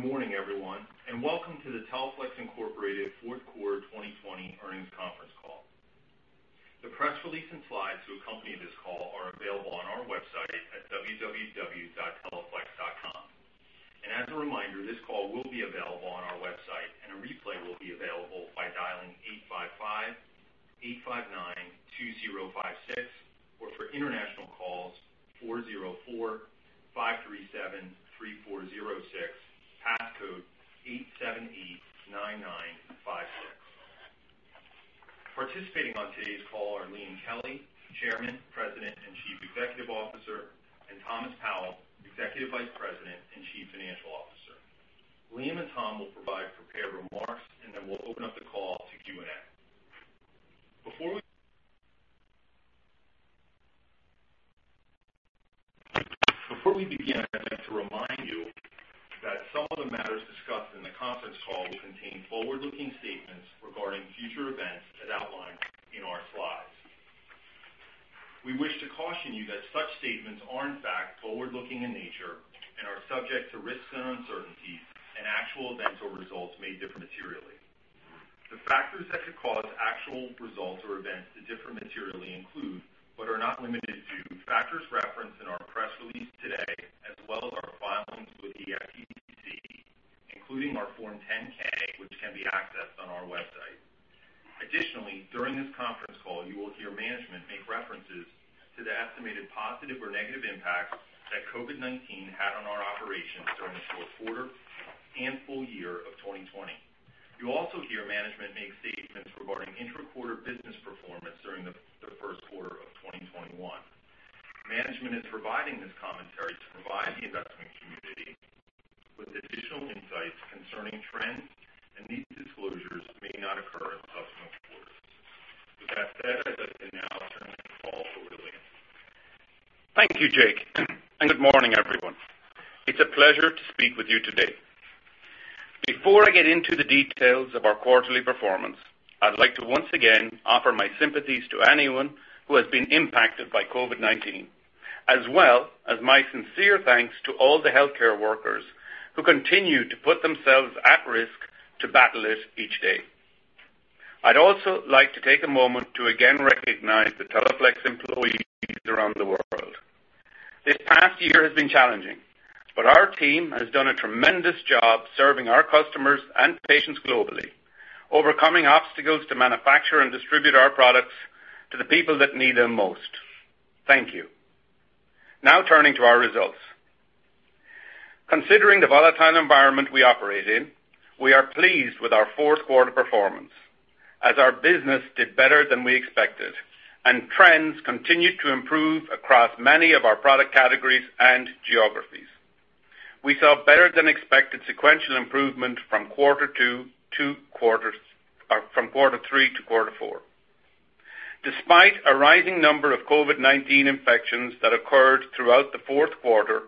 Good morning, everyone, and welcome to the Teleflex Incorporated fourth quarter 2020 earnings conference call. The press release and slides to accompany this call are available on our website at www.teleflex.com. As a reminder, this call will be available on our website, and a replay will be available by dialing 855-859-2056, or for international calls, 404-537-3406, passcode 8789956. Participating on today's call are Liam Kelly, Chairman, President, and Chief Executive Officer, and Thomas Powell, Executive Vice President and Chief Financial Officer. Liam and Tom will provide prepared remarks, and then we'll open up the call to Q&A. Before we begin, I'd like to remind you that some of the matters discussed in the conference call will contain forward-looking statements regarding future events as outlined in our slides. We wish to caution you that such statements are in fact forward-looking in nature and are subject to risks and uncertainties, and actual events or results may differ materially. The factors that could cause actual results or events to differ materially include, but are not limited to, factors referenced in our press release today, as well as our filings with the SEC, including our Form 10-K, which can be accessed on our website. Additionally, during this conference call, you will hear management make references to the estimated positive or negative impacts that COVID-19 had on our operations during the fourth quarter and full year of 2020. You'll also hear management make statements regarding intra-quarter business performance during the first quarter of 2021. Management is providing this commentary to provide the investment community with additional insights concerning trends, and these disclosures may not occur in the subsequent quarters. With that said, I'd like to now turn the call over to Liam. Thank you, Jake. Good morning, everyone. It's a pleasure to speak with you today. Before I get into the details of our quarterly performance, I'd like to once again offer my sympathies to anyone who has been impacted by COVID-19, as well as my sincere thanks to all the healthcare workers who continue to put themselves at risk to battle it each day. I'd also like to take a moment to again recognize the Teleflex employees around the world. This past year has been challenging, but our team has done a tremendous job serving our customers and patients globally, overcoming obstacles to manufacture and distribute our products to the people that need them most. Thank you. Turning to our results. Considering the volatile environment we operate in, we are pleased with our fourth quarter performance as our business did better than we expected, and trends continued to improve across many of our product categories and geographies. We saw better than expected sequential improvement from quarter three to quarter four. Despite a rising number of COVID-19 infections that occurred throughout the fourth quarter,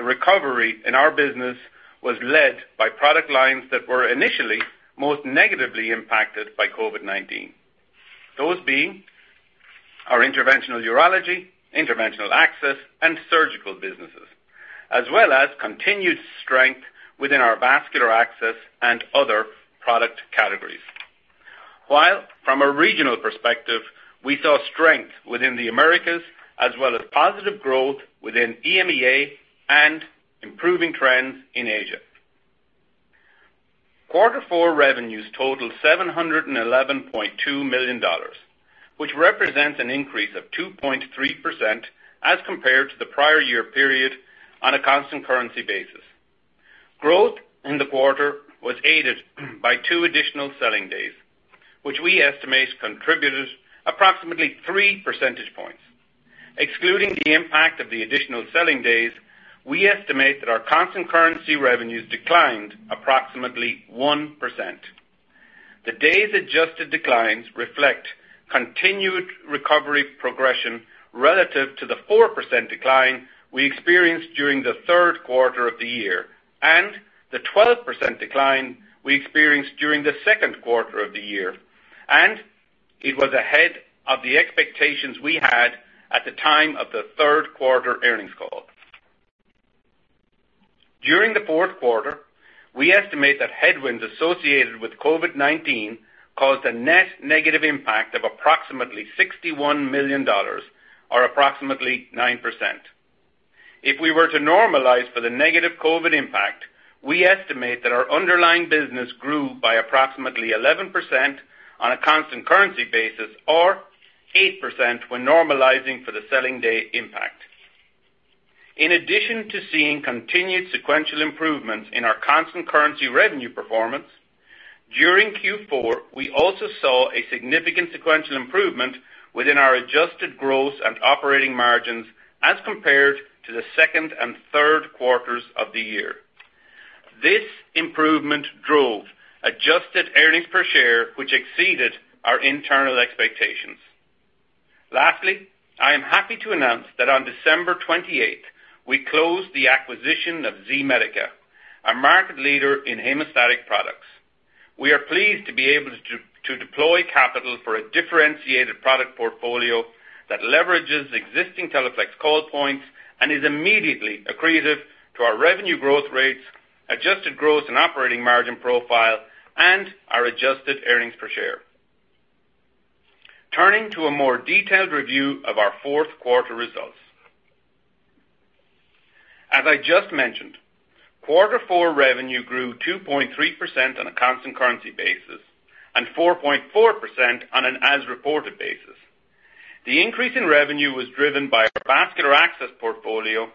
the recovery in our business was led by product lines that were initially most negatively impacted by COVID-19. Those being our Interventional Urology, Interventional Access, and surgical businesses, as well as continued strength within our Vascular Access and other product categories. While from a regional perspective, we saw strength within the Americas, as well as positive growth within EMEA and improving trends in Asia. Quarter four revenues totaled $711.2 million, which represents an increase of 2.3% as compared to the prior year period on a constant currency basis. Growth in the quarter was aided by two additional selling days, which we estimate contributed approximately three percentage points. Excluding the impact of the additional selling days, we estimate that our constant currency revenues declined approximately 1%. The days' adjusted declines reflect continued recovery progression relative to the 4% decline we experienced during the third quarter of the year, and the 12% decline we experienced during the second quarter of the year. It was ahead of the expectations we had at the time of the third quarter earnings call. During the fourth quarter, we estimate that headwinds associated with COVID-19 caused a net negative impact of approximately $61 million, or approximately 9%. If we were to normalize for the negative COVID impact, we estimate that our underlying business grew by approximately 11% on a constant currency basis, or 8% when normalizing for the selling day impact. In addition to seeing continued sequential improvements in our constant currency revenue performance, during Q4, we also saw a significant sequential improvement within our adjusted gross and operating margins as compared to the second and third quarters of the year. This improvement drove adjusted earnings per share, which exceeded our internal expectations. Lastly, I am happy to announce that on December 28th, we closed the acquisition of Z-Medica, a market leader in hemostatic products. We are pleased to be able to deploy capital for a differentiated product portfolio that leverages existing Teleflex call points and is immediately accretive to our revenue growth rates, adjusted gross and operating margin profile, and our adjusted earnings per share. Turning to a more detailed review of our fourth quarter results. As I just mentioned, quarter four revenue grew 2.3% on a constant currency basis and 4.4% on an as-reported basis. The increase in revenue was driven by our vascular access portfolio,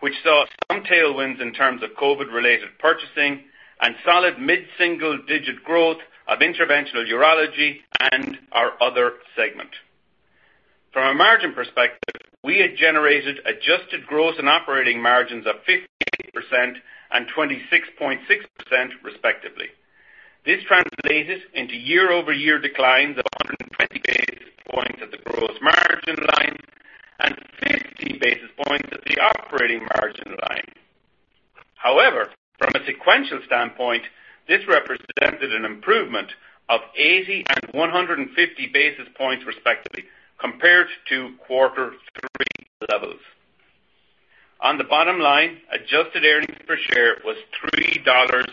which saw some tailwinds in terms of COVID-related purchasing and solid mid-single-digit growth of interventional urology and our other segment. From a margin perspective, we had generated adjusted gross and operating margins of 58% and 26.6% respectively. This translated into year-over-year declines of 120 basis points at the gross margin line and 50 basis points at the operating margin line. However, from a sequential standpoint, this represented an improvement of 80 and 150 basis points respectively compared to quarter three levels. On the bottom line, adjusted earnings per share was $3.25.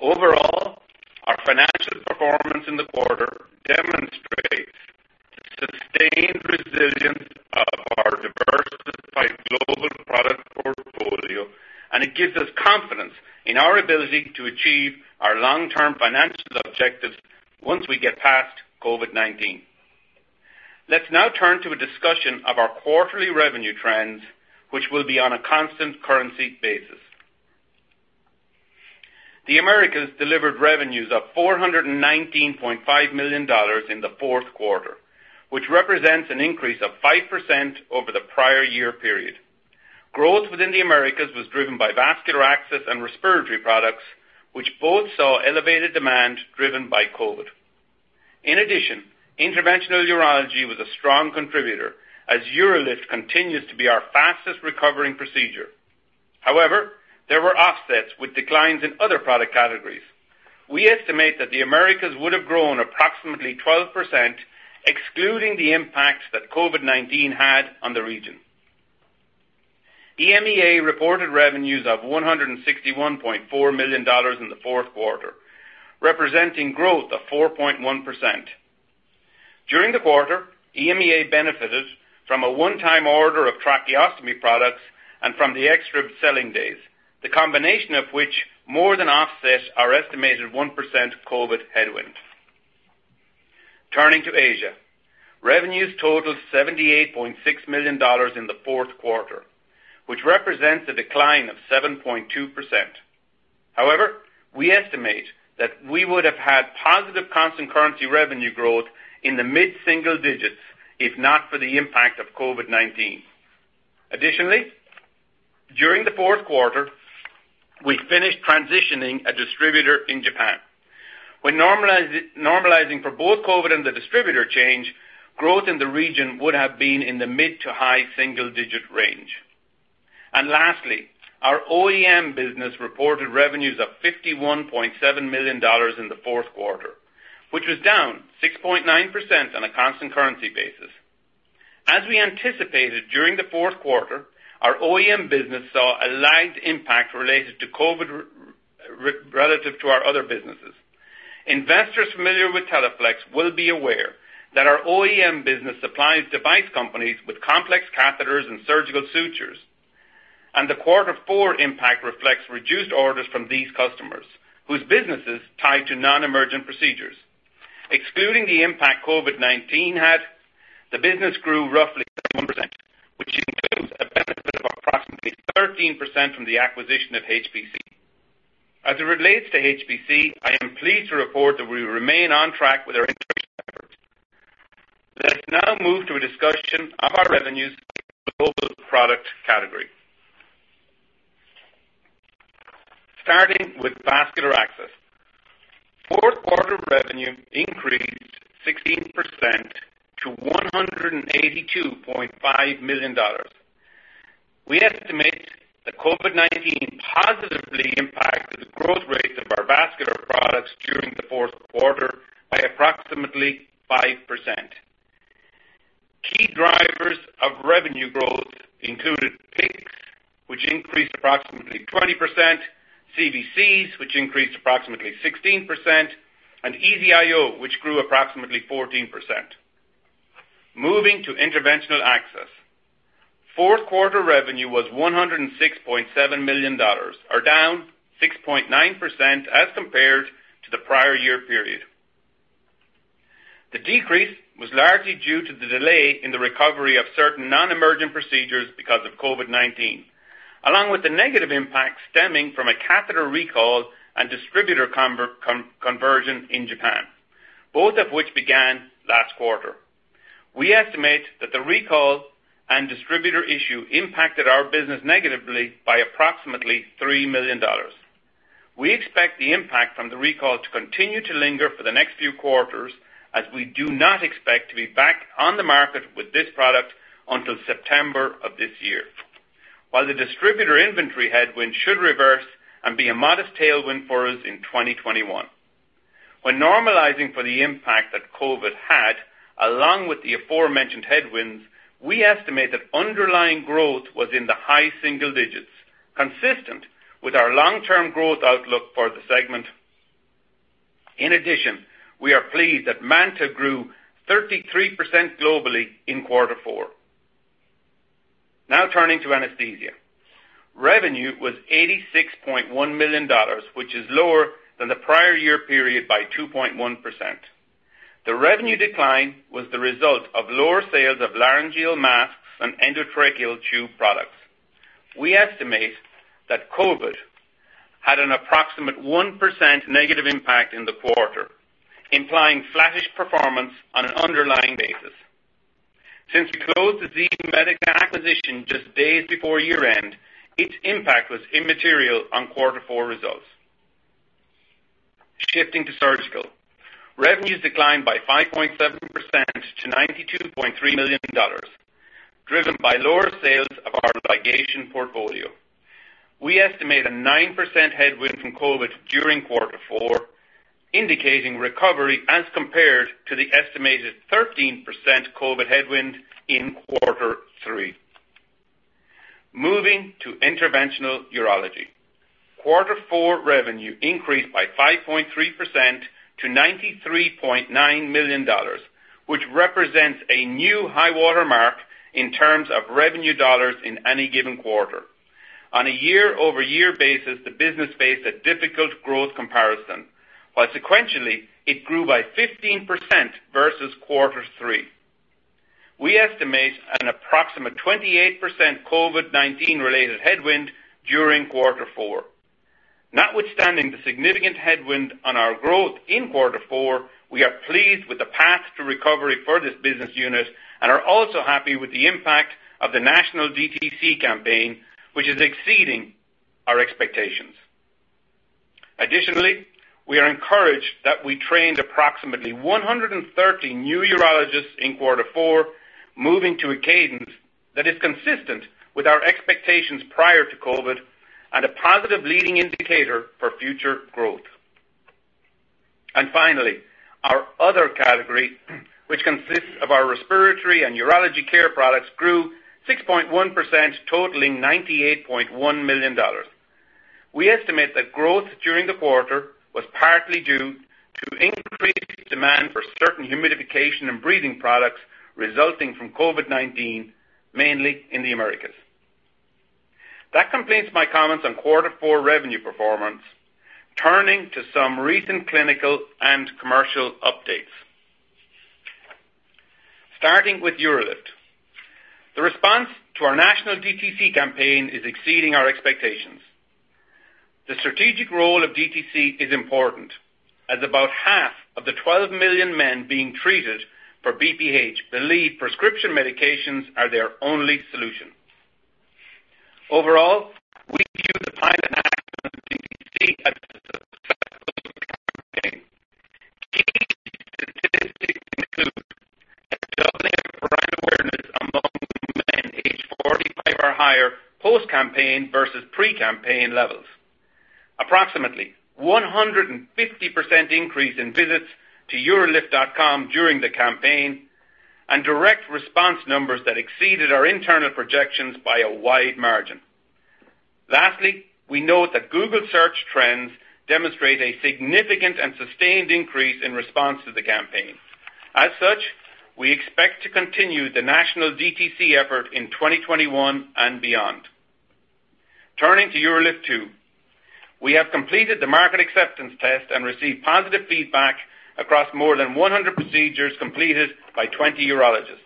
Overall, our financial performance in the quarter demonstrates the sustained resilience of our diversified global product portfolio, and it gives us confidence in our ability to achieve our long-term financial objectives once we get past COVID-19. Let's now turn to a discussion of our quarterly revenue trends, which will be on a constant currency basis. The Americas delivered revenues of $419.5 million in the fourth quarter, which represents an increase of 5% over the prior year period. Growth within the Americas was driven by vascular access and respiratory products, which both saw elevated demand driven by COVID. In addition, interventional urology was a strong contributor as UroLift continues to be our fastest-recovering procedure. However, there were offsets with declines in other product categories. We estimate that the Americas would have grown approximately 12%, excluding the impact that COVID-19 had on the region. EMEA reported revenues of $161.4 million in the fourth quarter, representing growth of 4.1%. During the quarter, EMEA benefited from a one-time order of tracheostomy products and from the extra selling days, the combination of which more than offset our estimated 1% COVID headwind. Turning to Asia. Revenues totaled $78.6 million in the fourth quarter, which represents a decline of 7.2%. However, we estimate that we would have had positive constant currency revenue growth in the mid-single digits if not for the impact of COVID-19. Additionally, during the fourth quarter, we finished transitioning a distributor in Japan. When normalizing for both COVID and the distributor change, growth in the region would have been in the mid to high single-digit range. Lastly, our OEM business reported revenues of $51.7 million in the fourth quarter, which was down 6.9% on a constant currency basis. As we anticipated during the fourth quarter, our OEM business saw a lagged impact related to COVID relative to our other businesses. Investors familiar with Teleflex will be aware that our OEM business supplies device companies with complex catheters and surgical sutures, and the quarter four impact reflects reduced orders from these customers, whose business is tied to non-emergent procedures. Excluding the impact COVID-19 had, the business grew roughly 1%, which includes a benefit of approximately 13% from the acquisition of HPC. As it relates to HPC, I am pleased to report that we remain on track with our integration efforts. Let's now move to a discussion of our revenues by global product category. Starting with vascular access. Fourth-quarter revenue increased 16% to $182.5 million. We estimate that COVID-19 positively impacted the growth rate of our vascular products during the fourth quarter by approximately 5%. Key drivers of revenue growth included PICCs, which increased approximately 20%, CVCs, which increased approximately 16%, and EZ-IO, which grew approximately 14%. Moving to interventional access. Fourth-quarter revenue was $106.7 million, or down 6.9% as compared to the prior year period. The decrease was largely due to the delay in the recovery of certain non-emergent procedures because of COVID-19, along with the negative impact stemming from a catheter recall and distributor conversion in Japan, both of which began last quarter. We estimate that the recall and distributor issue impacted our business negatively by approximately $3 million. We expect the impact from the recall to continue to linger for the next few quarters, as we do not expect to be back on the market with this product until September of this year. While the distributor inventory headwind should reverse and be a modest tailwind for us in 2021. When normalizing for the impact that COVID had, along with the aforementioned headwinds, we estimate that underlying growth was in the high single digits, consistent with our long-term growth outlook for the segment. In addition, we are pleased that MANTA grew 33% globally in quarter four. Now turning to anesthesia. Revenue was $86.1 million, which is lower than the prior year period by 2.1%. The revenue decline was the result of lower sales of laryngeal masks and endotracheal tube products. We estimate that COVID had an approximate 1% negative impact in the quarter, implying flattish performance on an underlying basis. Since we closed the Z-Medica acquisition just days before year-end, its impact was immaterial on quarter four results. Shifting to surgical. Revenues declined by 5.7% to $92.3 million, driven by lower sales of our ligation portfolio. We estimate a 9% headwind from COVID during quarter four, indicating recovery as compared to the estimated 13% COVID headwind in quarter three. Moving to interventional urology. Quarter four revenue increased by 5.3% to $93.9 million, which represents a new high water mark in terms of revenue dollars in any given quarter. While on a year-over-year basis, the business faced a difficult growth comparison. Sequentially, it grew by 15% versus quarter three. We estimate an approximate 28% COVID-19 related headwind during quarter four. Notwithstanding the significant headwind on our growth in quarter four, we are pleased with the path to recovery for this business unit and are also happy with the impact of the national DTC campaign, which is exceeding our expectations. Additionally, we are encouraged that we trained approximately 130 new urologists in quarter four, moving to a cadence that is consistent with our expectations prior to COVID and a positive leading indicator for future growth. Finally, our other category, which consists of our respiratory and urology care products, grew 6.1%, totaling $98.1 million. We estimate that growth during the quarter was partly due to increased demand for certain humidification and breathing products resulting from COVID-19, mainly in the Americas. That completes my comments on quarter four revenue performance. Turning to some recent clinical and commercial updates. Starting with UroLift. The response to our national DTC campaign is exceeding our expectations. The strategic role of DTC is important, as about half of the 12 million men being treated for BPH believe prescription medications are their only solution. Overall, we view the pilot national DTC as a successful campaign. Key statistics include a doubling of brand awareness among men aged 45 or higher post-campaign versus pre-campaign levels. Approximately 150% increase in visits to urolift.com during the campaign, and direct response numbers that exceeded our internal projections by a wide margin. Lastly, we note that Google search trends demonstrate a significant and sustained increase in response to the campaign. As such, we expect to continue the national DTC effort in 2021 and beyond. Turning to UroLift II. We have completed the market acceptance test and received positive feedback across more than 100 procedures completed by 20 urologists.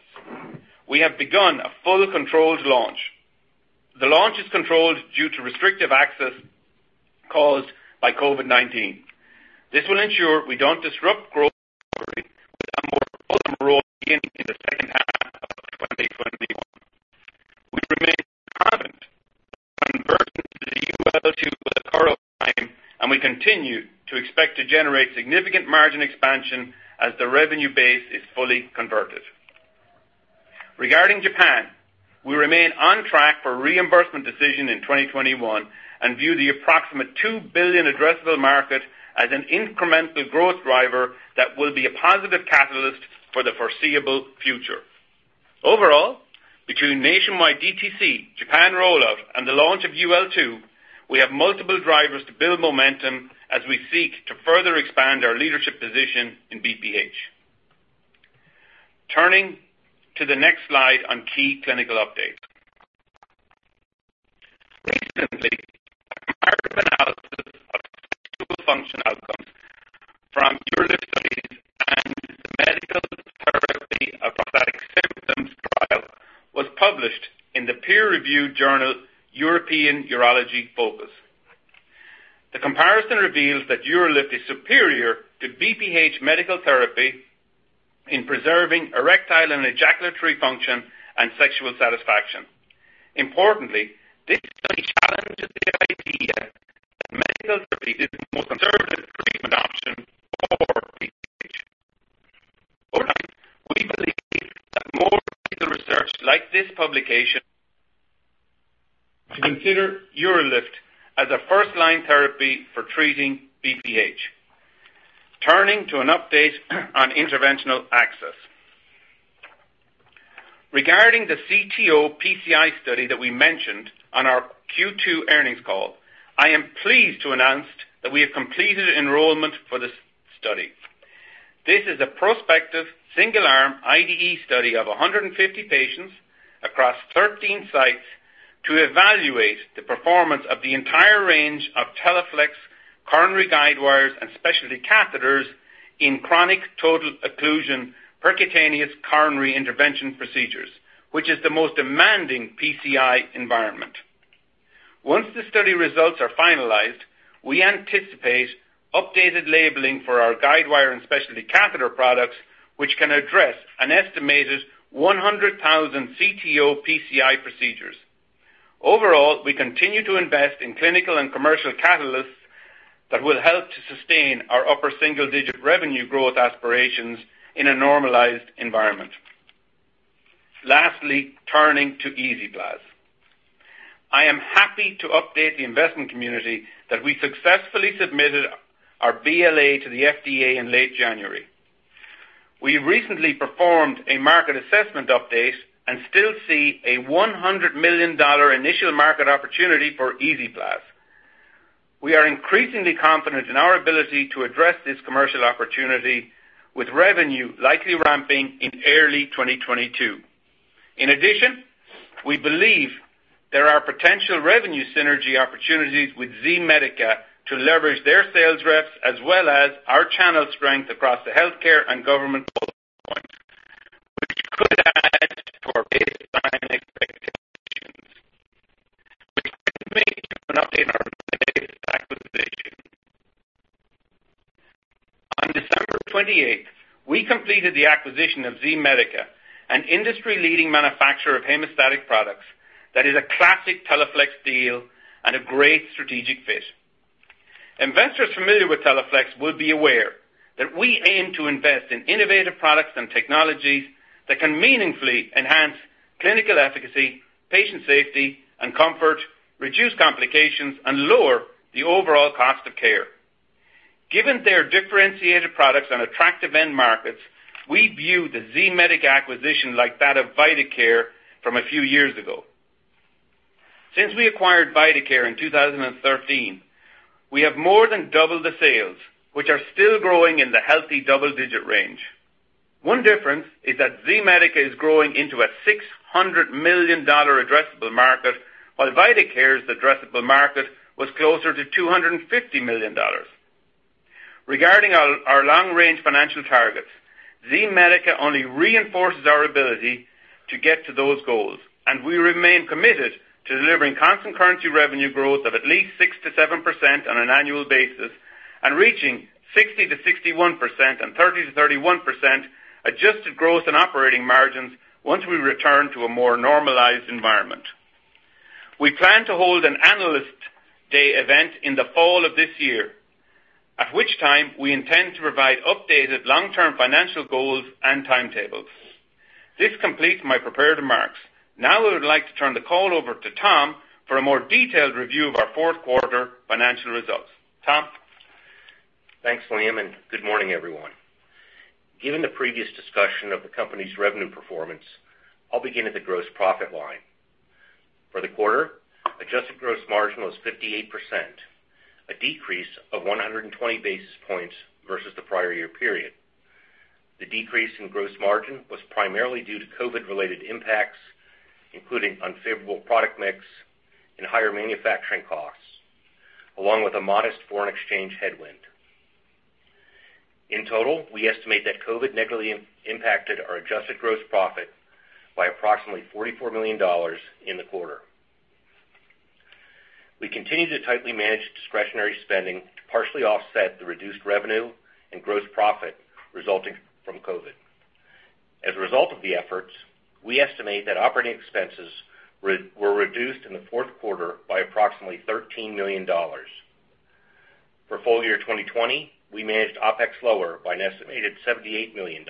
We have begun a full controlled launch. The launch is controlled due to restrictive access caused by COVID-19. This will ensure we don't disrupt growth recovery with a more full-on roll-in in the second half of 2021. We remain confident that converting to the UL2 will occur on time, and we continue to expect to generate significant margin expansion as the revenue base is fully converted. Regarding Japan, we remain on track for reimbursement decision in 2021 and view the approximate 2 billion addressable market as an incremental growth driver that will be a positive catalyst for the foreseeable future. Overall, between nationwide DTC, Japan rollout, and the launch of UL2, we have multiple drivers to build momentum as we seek to further expand our leadership position in BPH. Turning to the next slide on key clinical updates. Recently, a comparative analysis of sexual function outcomes from UroLift studies and the Medical Therapy of Prostatic Symptoms trial was published in the peer-reviewed journal European Urology Focus. The comparison reveals that UroLift is superior to BPH medical therapy in preserving erectile and ejaculatory function and sexual satisfaction. Importantly, this study challenges the idea that medical therapy is the most conservative treatment option for BPH. Fourth, we believe that more clinical research like this publication to consider UroLift as a first-line therapy for treating BPH. Turning to an update on interventional access. Regarding the CTO PCI study that we mentioned on our Q2 earnings call, I am pleased to announce that we have completed enrollment for this study. This is a prospective single-arm IDE study of 150 patients across 13 sites to evaluate the performance of the entire range of Teleflex coronary guide wires and specialty catheters in chronic total occlusion percutaneous coronary intervention procedures, which is the most demanding PCI environment. Once the study results are finalized, we anticipate updated labeling for our guide wire and specialty catheter products, which can address an estimated 100,000 CTO PCI procedures. Overall, we continue to invest in clinical and commercial catalysts that will help to sustain our upper single-digit revenue growth aspirations in a normalized environment. Lastly, turning to EZ-PLAZ. I am happy to update the investment community that we successfully submitted our BLA to the FDA in late January. We recently performed a market assessment update and still see a $100 million initial market opportunity for EZ-PLAZ. We are increasingly confident in our ability to address this commercial opportunity, with revenue likely ramping in early 2022. In addition, we believe there are potential revenue synergy opportunities with Z-Medica to leverage their sales reps, as well as our channel strength across the healthcare and government points, which could add to our baseline expectations. We'd like to make an update on our latest acquisition. On December 28th, we completed the acquisition of Z-Medica, an industry-leading manufacturer of hemostatic products that is a classic Teleflex deal and a great strategic fit. Investors familiar with Teleflex will be aware that we aim to invest in innovative products and technologies that can meaningfully enhance clinical efficacy, patient safety and comfort, reduce complications, and lower the overall cost of care. Given their differentiated products and attractive end markets, we view the Z-Medica acquisition like that of Vidacare from a few years ago. Since we acquired Vidacare in 2013, we have more than doubled the sales, which are still growing in the healthy double-digit range. One difference is that Z-Medica is growing into a $600 million addressable market, while Vidacare's addressable market was closer to $250 million. Regarding our long-range financial targets, Z-Medica only reinforces our ability to get to those goals. We remain committed to delivering constant currency revenue growth of at least 6%-7% on an annual basis, and reaching 60%-61% and 30%-31% adjusted gross and operating margins once we return to a more normalized environment. We plan to hold an Analyst Day event in the fall of this year, at which time we intend to provide updated long-term financial goals and timetables. This completes my prepared remarks. Now I would like to turn the call over to Tom for a more detailed review of our fourth quarter financial results. Tom? Thanks, Liam, and good morning, everyone. Given the previous discussion of the company's revenue performance, I'll begin at the gross profit line. For the quarter, adjusted gross margin was 58%, a decrease of 120 basis points versus the prior year period. The decrease in gross margin was primarily due to COVID-related impacts, including unfavorable product mix and higher manufacturing costs, along with a modest foreign exchange headwind. In total, we estimate that COVID negatively impacted our adjusted gross profit by approximately $44 million in the quarter. We continue to tightly manage discretionary spending to partially offset the reduced revenue and gross profit resulting from COVID. As a result of the efforts, we estimate that operating expenses were reduced in the fourth quarter by approximately $13 million. For full year 2020, we managed OpEx lower by an estimated $78 million.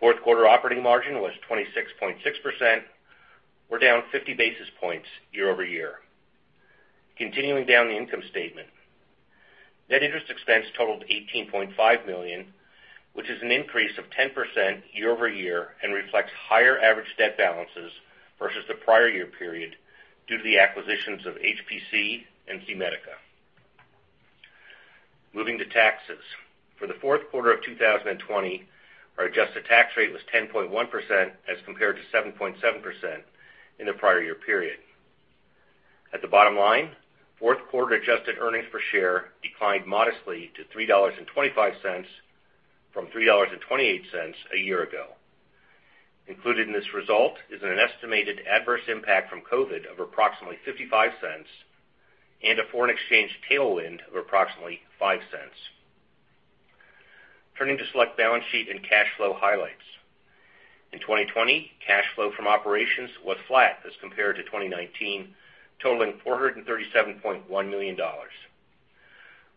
Fourth quarter operating margin was 26.6%, or down 50 basis points year-over-year. Continuing down the income statement. Net interest expense totaled $18.5 million, which is an increase of 10% year-over-year, and reflects higher average debt balances versus the prior year period due to the acquisitions of HPC and Z-Medica. Moving to taxes. For the fourth quarter of 2020, our adjusted tax rate was 10.1% as compared to 7.7% in the prior year period. At the bottom line, fourth quarter adjusted earnings per share declined modestly to $3.25 from $3.28 a year ago. Included in this result is an estimated adverse impact from COVID of approximately $0.55 and a foreign exchange tailwind of approximately $0.05. Turning to select balance sheet and cash flow highlights. In 2020, cash flow from operations was flat as compared to 2019, totaling $437.1 million.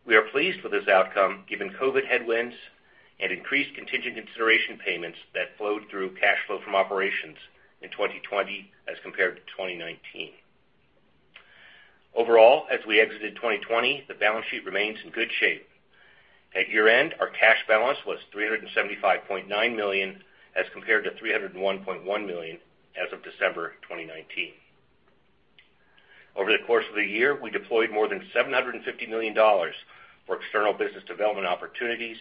We are pleased with this outcome, given COVID headwinds and increased contingent consideration payments that flowed through cash flow from operations in 2020 as compared to 2019. Overall, as we exited 2020, the balance sheet remains in good shape. At year-end, our cash balance was $375.9 million as compared to $301.1 million as of December 2019. Over the course of the year, we deployed more than $750 million for external business development opportunities.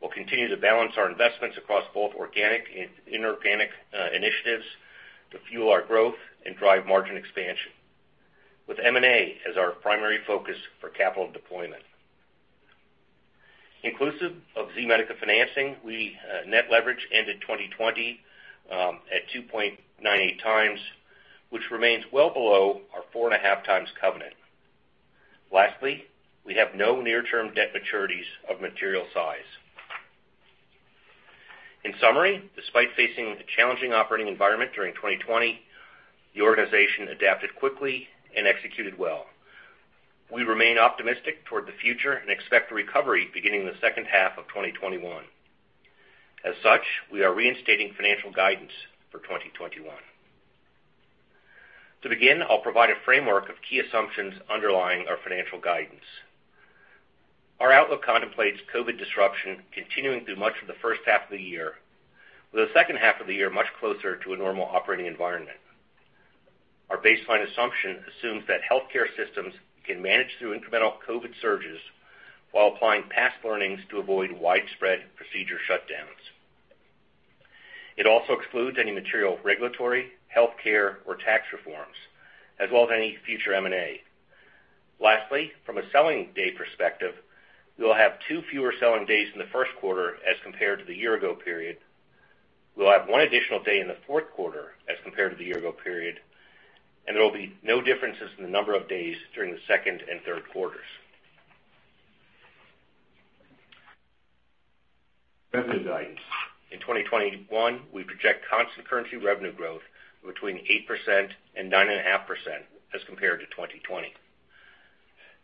We'll continue to balance our investments across both organic and inorganic initiatives to fuel our growth and drive margin expansion, with M&A as our primary focus for capital deployment. Inclusive of Z-Medica financing, net leverage ended 2020 at 2.98 times, which remains well below our 4.5x covenant. Lastly, we have no near-term debt maturities of material size. In summary, despite facing a challenging operating environment during 2020, the organization adapted quickly and executed well. We remain optimistic toward the future and expect a recovery beginning in the second half of 2021. As such, we are reinstating financial guidance for 2021. To begin, I'll provide a framework of key assumptions underlying our financial guidance. Our outlook contemplates COVID disruption continuing through much of the first half of the year, with the second half of the year much closer to a normal operating environment. Our baseline assumption assumes that healthcare systems can manage through incremental COVID surges while applying past learnings to avoid widespread procedure shutdowns. It also excludes any material regulatory, healthcare, or tax reforms, as well as any future M&A. Lastly, from a selling day perspective, we will have two fewer selling days in the first quarter as compared to the year ago period. We'll have one additional day in the fourth quarter as compared to the year ago period. There will be no differences in the number of days during the second and third quarters. Revenue guidance. In 2021, we project constant currency revenue growth between 8% and 9.5% as compared to 2020.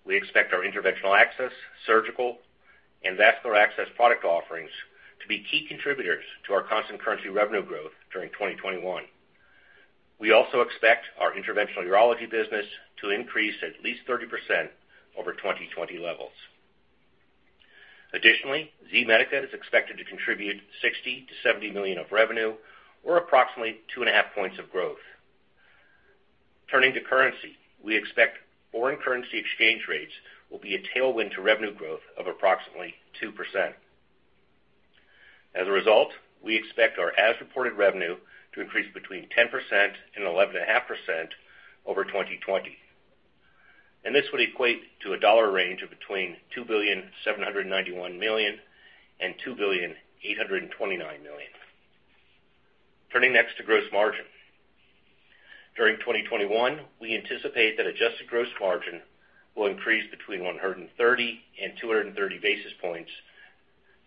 We expect our Interventional Access, Surgical, and Vascular Access product offerings to be key contributors to our constant currency revenue growth during 2021. We also expect our Interventional Urology business to increase at least 30% over 2020 levels. Additionally, Z-Medica is expected to contribute $60 million-$70 million of revenue, or approximately 2.5 points of growth. Turning to currency, we expect foreign currency exchange rates will be a tailwind to revenue growth of approximately 2%. As a result, we expect our as-reported revenue to increase between 10% and 11.5% over 2020. This would equate to a dollar range of between $2.791 billion and $2.829 billion. Turning next to gross margin. During 2021, we anticipate that adjusted gross margin will increase between 130 and 230 basis points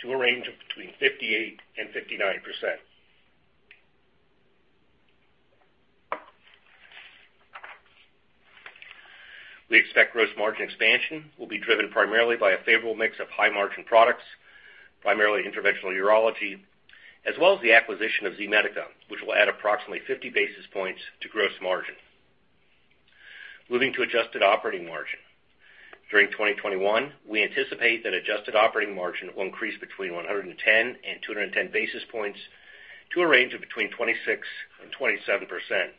to a range of between 58% and 59%. We expect gross margin expansion will be driven primarily by a favorable mix of high margin products, primarily interventional urology, as well as the acquisition of Z-Medica, which will add approximately 50 basis points to gross margin. Moving to adjusted operating margin. During 2021, we anticipate that adjusted operating margin will increase between 110 and 210 basis points to a range of between 26% and 27%.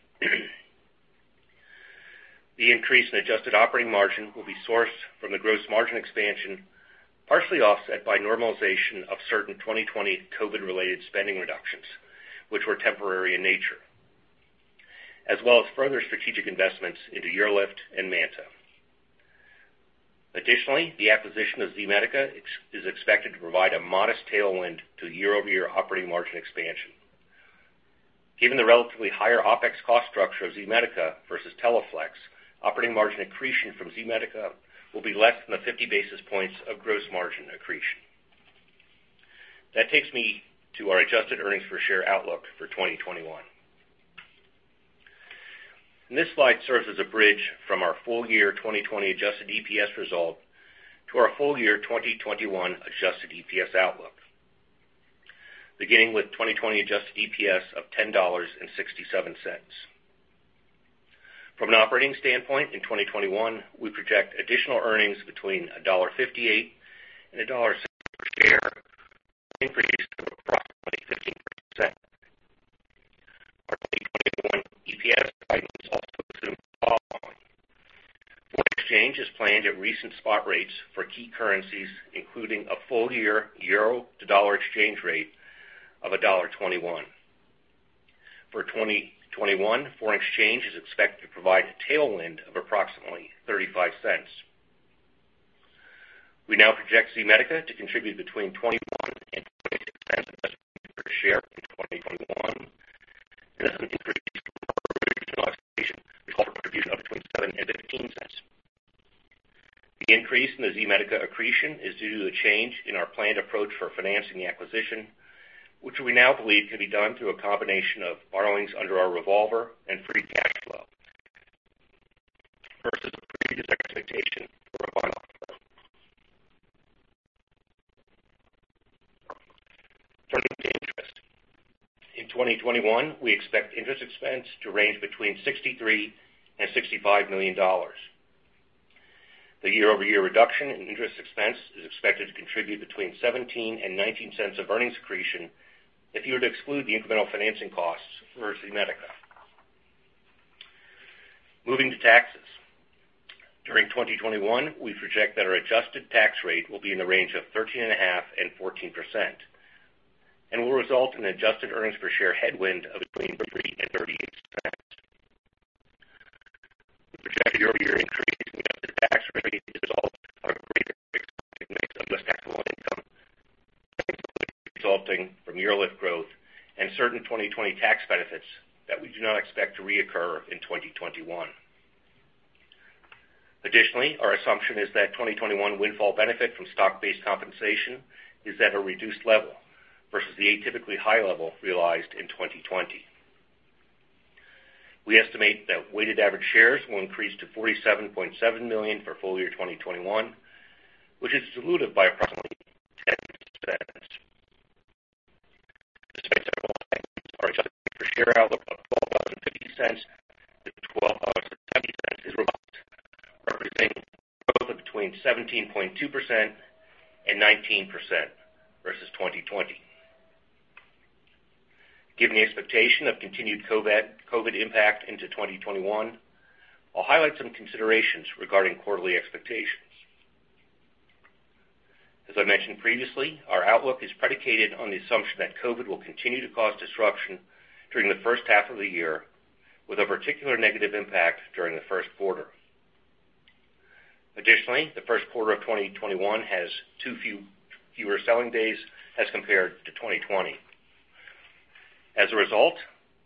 The increase in adjusted operating margin will be sourced from the gross margin expansion, partially offset by normalization of certain 2020 COVID-related spending reductions, which were temporary in nature, as well as further strategic investments into UroLift and MANTA. Additionally, the acquisition of Z-Medica is expected to provide a modest tailwind to year-over-year operating margin expansion. Given the relatively higher OpEx cost structure of Z-Medica versus Teleflex, operating margin accretion from Z-Medica will be less than the 50 basis points of gross margin accretion. That takes me to our adjusted earnings per share outlook for 2021. This slide serves as a bridge from our full year 2020 adjusted EPS result to our full year 2021 adjusted EPS outlook. Beginning with 2020 adjusted EPS of $10.67. From an operating standpoint in 2021, we project additional earnings between $1.58 and $1.60 per share, an increase of approximately 15%. Our 2021 EPS guidance also assumes the following: foreign exchange is planned at recent spot rates for key currencies, including a full year euro-to-dollar exchange rate of $1.21. For 2021, foreign exchange is expected to provide a tailwind of approximately $0.35. We now project Z-Medica to contribute between $0.21 and $0.26 of adjusted earnings per share in 2021. That's an increase from our original expectation to call for contribution of between $0.07 and $0.15. The increase in the Z-Medica accretion is due to the change in our planned approach for financing the acquisition, which we now believe can be done through a combination of borrowings under our revolver and free cash flow versus the previous expectation for a buyoff. Turning to interest. In 2021, we expect interest expense to range between $63 million and $65 million. The year-over-year reduction in interest expense is expected to contribute between $0.17 and $0.19 of earnings accretion if you were to exclude the incremental financing costs for Z-Medica. Moving to taxes. During 2021, we project that our adjusted tax rate will be in the range of 13.5%-14%, and will result in adjusted earnings per share headwind of between $0.33 and $0.38. The projected year-over-year increase in the adjusted tax rate is a result of a greater expected mix of U.S. taxable income, principally resulting from UroLift growth and certain 2020 tax benefits that we do not expect to reoccur in 2021. Our assumption is that 2021 windfall benefit from stock-based compensation is at a reduced level versus the atypically high level realized in 2020. We estimate that weighted average shares will increase to 47.7 million for full year 2021, which is dilutive by approximately $0.10. Despite several items, our adjusted EPS outlook of $12.50 to $12.70 is robust, representing growth of between 17.2% and 19% versus 2020. Given the expectation of continued COVID impact into 2021, I'll highlight some considerations regarding quarterly expectations. As I mentioned previously, our outlook is predicated on the assumption that COVID will continue to cause disruption during the first half of the year, with a particular negative impact during the first quarter. Additionally, the first quarter of 2021 has two fewer selling days as compared to 2020. As a result,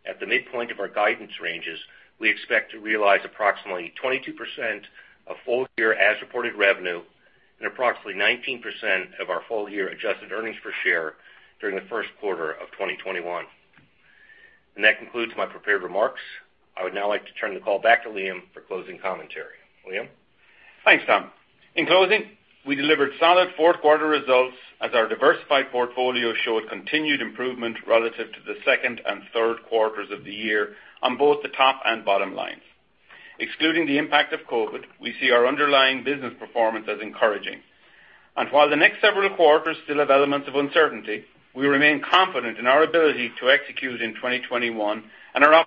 at the midpoint of our guidance ranges, we expect to realize approximately 22% of full-year as-reported revenue and approximately 19% of our full-year adjusted earnings per share during the first quarter of 2021. That concludes my prepared remarks. I would now like to turn the call back to Liam for closing commentary. Liam? Thanks, Tom. In closing, we delivered solid fourth quarter results as our diversified portfolio showed continued improvement relative to the second and third quarters of the year on both the top and bottom lines. Excluding the impact of COVID, we see our underlying business performance as encouraging. While the next several quarters still have elements of uncertainty, we remain confident in our ability to execute in 2021 and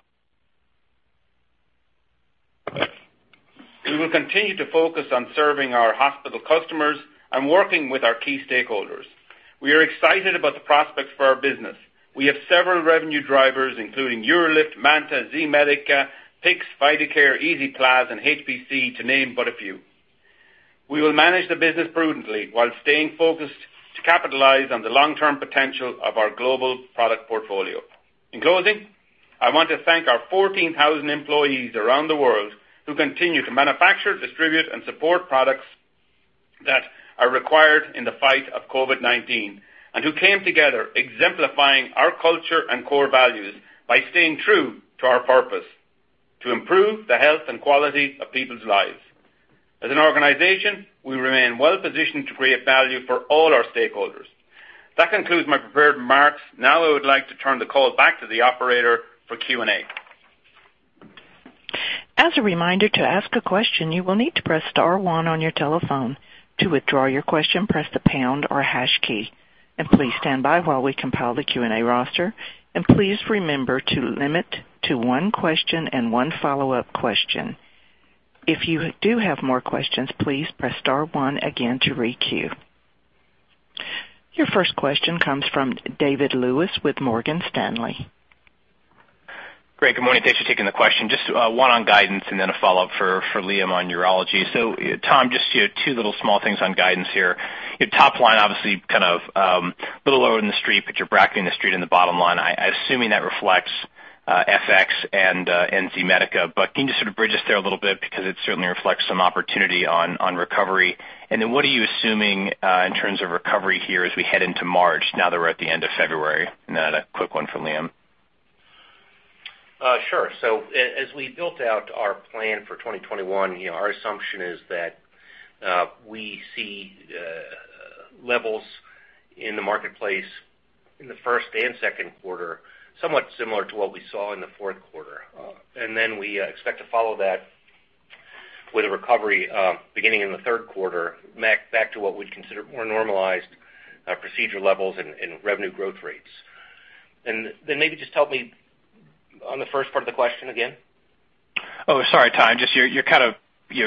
we will continue to focus on serving our hospital customers and working with our key stakeholders. We are excited about the prospects for our business. We have several revenue drivers, including UroLift, MANTA, Z-Medica, PICC, Vidacare, EZ-PLAZ, and HPC, to name but a few. We will manage the business prudently while staying focused to capitalize on the long-term potential of our global product portfolio. In closing, I want to thank our 14,000 employees around the world who continue to manufacture, distribute, and support products that are required in the fight of COVID-19, and who came together exemplifying our culture and core values by staying true to our purpose: to improve the health and quality of people's lives. As an organization, we remain well-positioned to create value for all our stakeholders. That concludes my prepared remarks. Now I would like to turn the call back to the operator for Q&A. As a reminder, to ask a question you will need to press star one on your telephone. To withdraw your question press the pound or hash key. Please stand by as we combine our Q&A roster. Please remember to limit to one question and one follow up question. If you do have have more questions press star one again to requeue. Your first question comes from David Lewis with Morgan Stanley. Great. Good morning. Thanks for taking the question. Just one on guidance and then a follow-up for Liam on urology. Tom, just two little small things on guidance here. Your top line, obviously kind of a little lower than the street, but you're bracketing the street in the bottom line. I'm assuming that reflects FX and Z-Medica. Can you just sort of bridge us there a little bit because it certainly reflects some opportunity on recovery? What are you assuming in terms of recovery here as we head into March now that we're at the end of February? Then a quick one for Liam. Sure. As we built out our plan for 2021, our assumption is that we see levels in the marketplace in the first and second quarter, somewhat similar to what we saw in the fourth quarter. Then we expect to follow that with a recovery beginning in the third quarter back to what we'd consider more normalized procedure levels and revenue growth rates. Then maybe just help me on the first part of the question again. Oh, sorry, Tom. Just you're kind of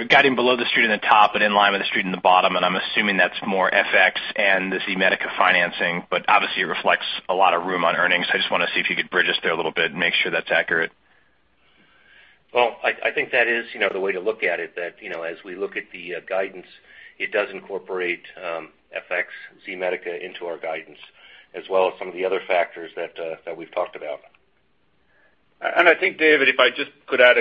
guiding below the street in the top but in line with the street in the bottom. I'm assuming that's more FX and the Z-Medica financing. Obviously it reflects a lot of room on earnings. I just want to see if you could bridge us there a little bit and make sure that's accurate. Well, I think that is the way to look at it, that as we look at the guidance, it does incorporate FX Z-Medica into our guidance as well as some of the other factors that we've talked about. I think, David, if I just could add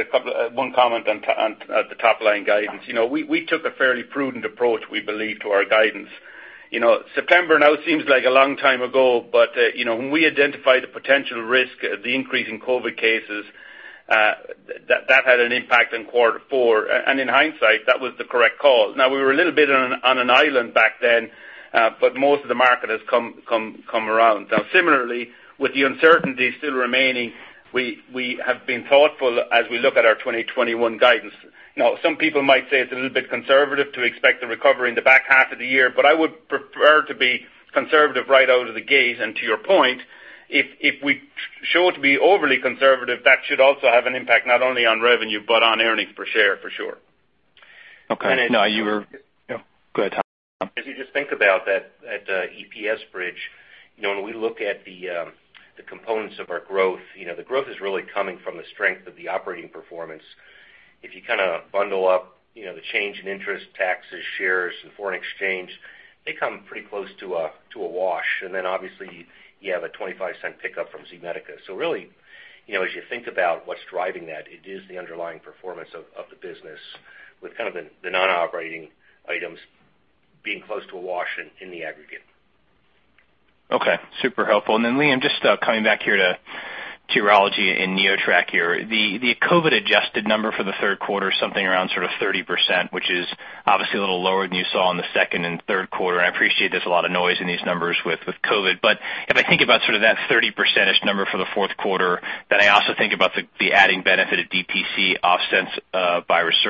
one comment on the top-line guidance. We took a fairly prudent approach, we believe, to our guidance. September now seems like a long time ago, when we identified the potential risk of the increase in COVID cases, that had an impact in quarter four. In hindsight, that was the correct call. Now, we were a little bit on an island back then, but most of the market has come around. Now, similarly, with the uncertainty still remaining, we have been thoughtful as we look at our 2021 guidance. Now, some people might say it's a little bit conservative to expect a recovery in the back half of the year, but I would prefer to be conservative right out of the gate. To your point, if we show it to be overly conservative, that should also have an impact, not only on revenue, but on earnings per share, for sure. Okay. No, Go ahead, Tom. If you just think about that EPS bridge, when we look at the components of our growth, the growth is really coming from the strength of the operating performance. If you bundle up the change in interest, taxes, shares, and foreign exchange, they come pretty close to a wash. Obviously, you have a $0.25 pickup from Z-Medica. Really, as you think about what's driving that, it is the underlying performance of the business with the non-operating items being close to a wash in the aggregate. Okay. Super helpful. Liam, just coming back here to urology and NeoTract here. The COVID-adjusted number for the third quarter is something around 30%, which is obviously a little lower than you saw in the second and third quarter. I appreciate there's a lot of noise in these numbers with COVID, but if I think about that 30%-ish number for the fourth quarter, then I also think about the adding benefit of DTC offsets by Rezum.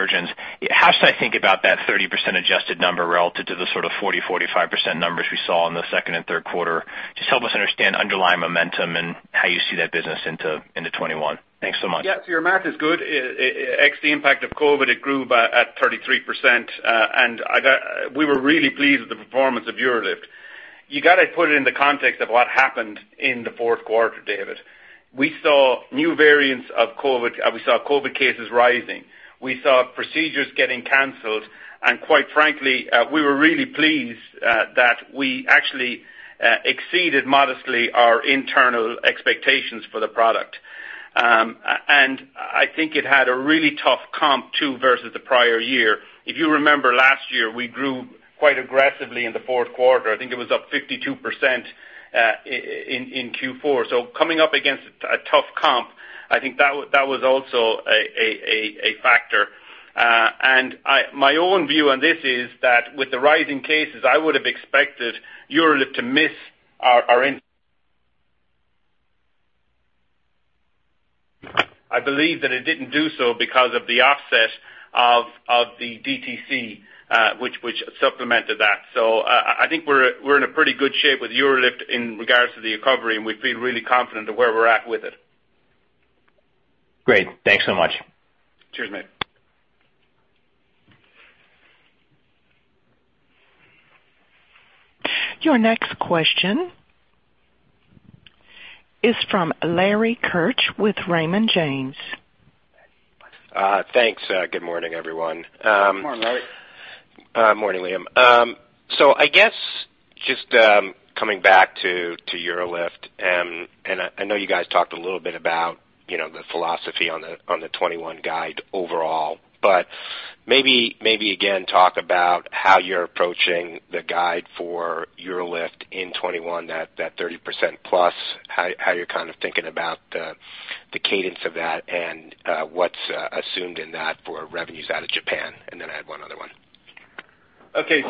How should I think about that 30% adjusted number relative to the 40%, 45% numbers we saw in the second and third quarter? Just help us understand underlying momentum and how you see that business into 2021. Thanks so much. Yeah. Your math is good. Ex the impact of COVID, it grew by at 33%. We were really pleased with the performance of UroLift. You got to put it in the context of what happened in the fourth quarter, David. We saw new variants of COVID, we saw COVID cases rising. We saw procedures getting canceled, quite frankly, we were really pleased that we actually exceeded modestly our internal expectations for the product. I think it had a really tough comp too versus the prior year. If you remember last year, we grew quite aggressively in the fourth quarter. I think it was up 52% in Q4. Coming up against a tough comp, I think that was also a factor. My own view on this is that with the rising cases, I would've expected UroLift to miss. I believe that it didn't do so because of the offset of the DTC which supplemented that. I think we're in a pretty good shape with UroLift in regards to the recovery, and we feel really confident of where we're at with it. Great. Thanks so much. Cheers, mate. Your next question is from Larry Keusch with Raymond James. Thanks. Good morning, everyone. Good morning, Larry. Morning, Liam. I guess just coming back to UroLift, I know you guys talked a little bit about the philosophy on the 2021 guide overall. Maybe again, talk about how you're approaching the guide for UroLift in 2021, that 30% plus, how you're kind of thinking about the cadence of that and what's assumed in that for revenues out of Japan. Then I have one other one. Starting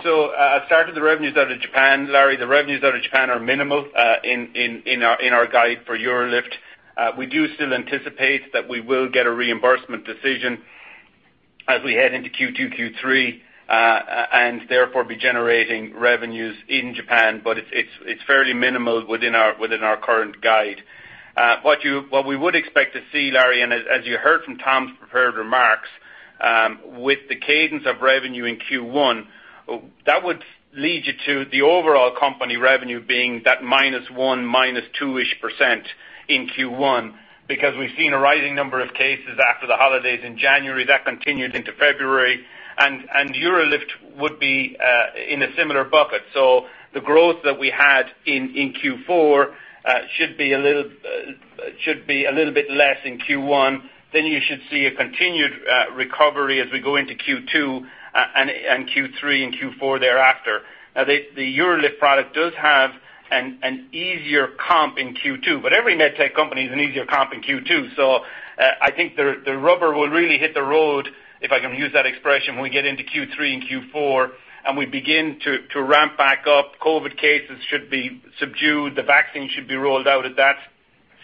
with the revenues out of Japan, Larry, the revenues out of Japan are minimal in our guide for UroLift. We do still anticipate that we will get a reimbursement decision as we head into Q2, Q3, and therefore be generating revenues in Japan, but it's fairly minimal within our current guide. What we would expect to see, Larry, and as you heard from Tom's prepared remarks, with the cadence of revenue in Q1, that would lead you to the overall company revenue being that -1%, -2%-ish percent in Q1, because we've seen a rising number of cases after the holidays in January. That continued into February. UroLift would be in a similar bucket. The growth that we had in Q4 should be a little bit less in Q1. You should see a continued recovery as we go into Q2 and Q3 and Q4 thereafter. The UroLift product does have an easier comp in Q2, but every med tech company has an easier comp in Q2. I think the rubber will really hit the road, if I can use that expression, when we get into Q3 and Q4 and we begin to ramp back up. COVID cases should be subdued. The vaccine should be rolled out at that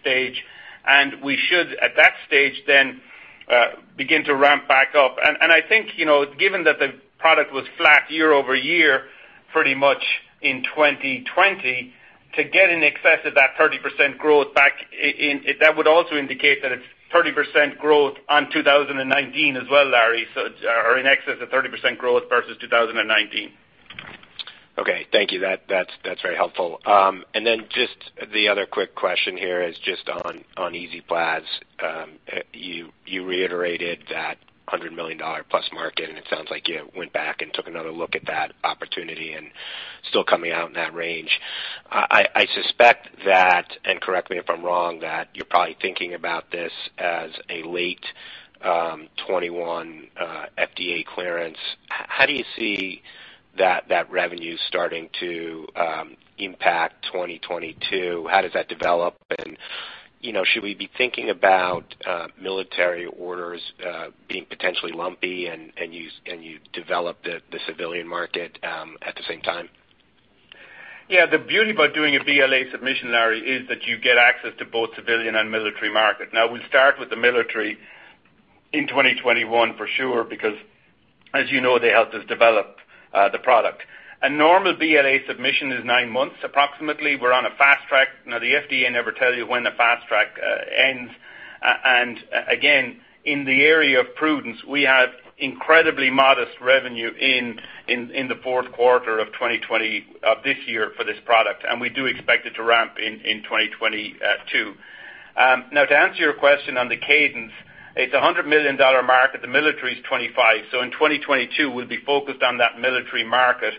stage, and we should, at that stage, then begin to ramp back up. I think, given that the product was flat year-over-year, pretty much in 2020, to get in excess of that 30% growth back in, that would also indicate that it's 30% growth on 2019 as well, Larry. It's in excess of 30% growth versus 2019. Okay. Thank you. That's very helpful. The other quick question here is just on EZ-PLAZ. You reiterated that $100+ million market, and it sounds like you went back and took another look at that opportunity and still coming out in that range. I suspect that, and correct me if I'm wrong, that you're probably thinking about this as a late 2021 FDA clearance. How do you see that revenue starting to impact 2022? How does that develop? Should we be thinking about military orders being potentially lumpy and you develop the civilian market at the same time? Yeah. The beauty about doing a BLA submission, Larry, is that you get access to both civilian and military market. We'll start with the military in 2021 for sure, because as you know, they helped us develop the product. A normal BLA submission is nine months approximately. We're on a fast track. The FDA never tell you when a fast track ends. Again, in the area of prudence, we have incredibly modest revenue in the fourth quarter of 2020 of this year for this product, and we do expect it to ramp in 2022. To answer your question on the cadence, it's a $100 million market. The military's 25%. In 2022, we'll be focused on that military market.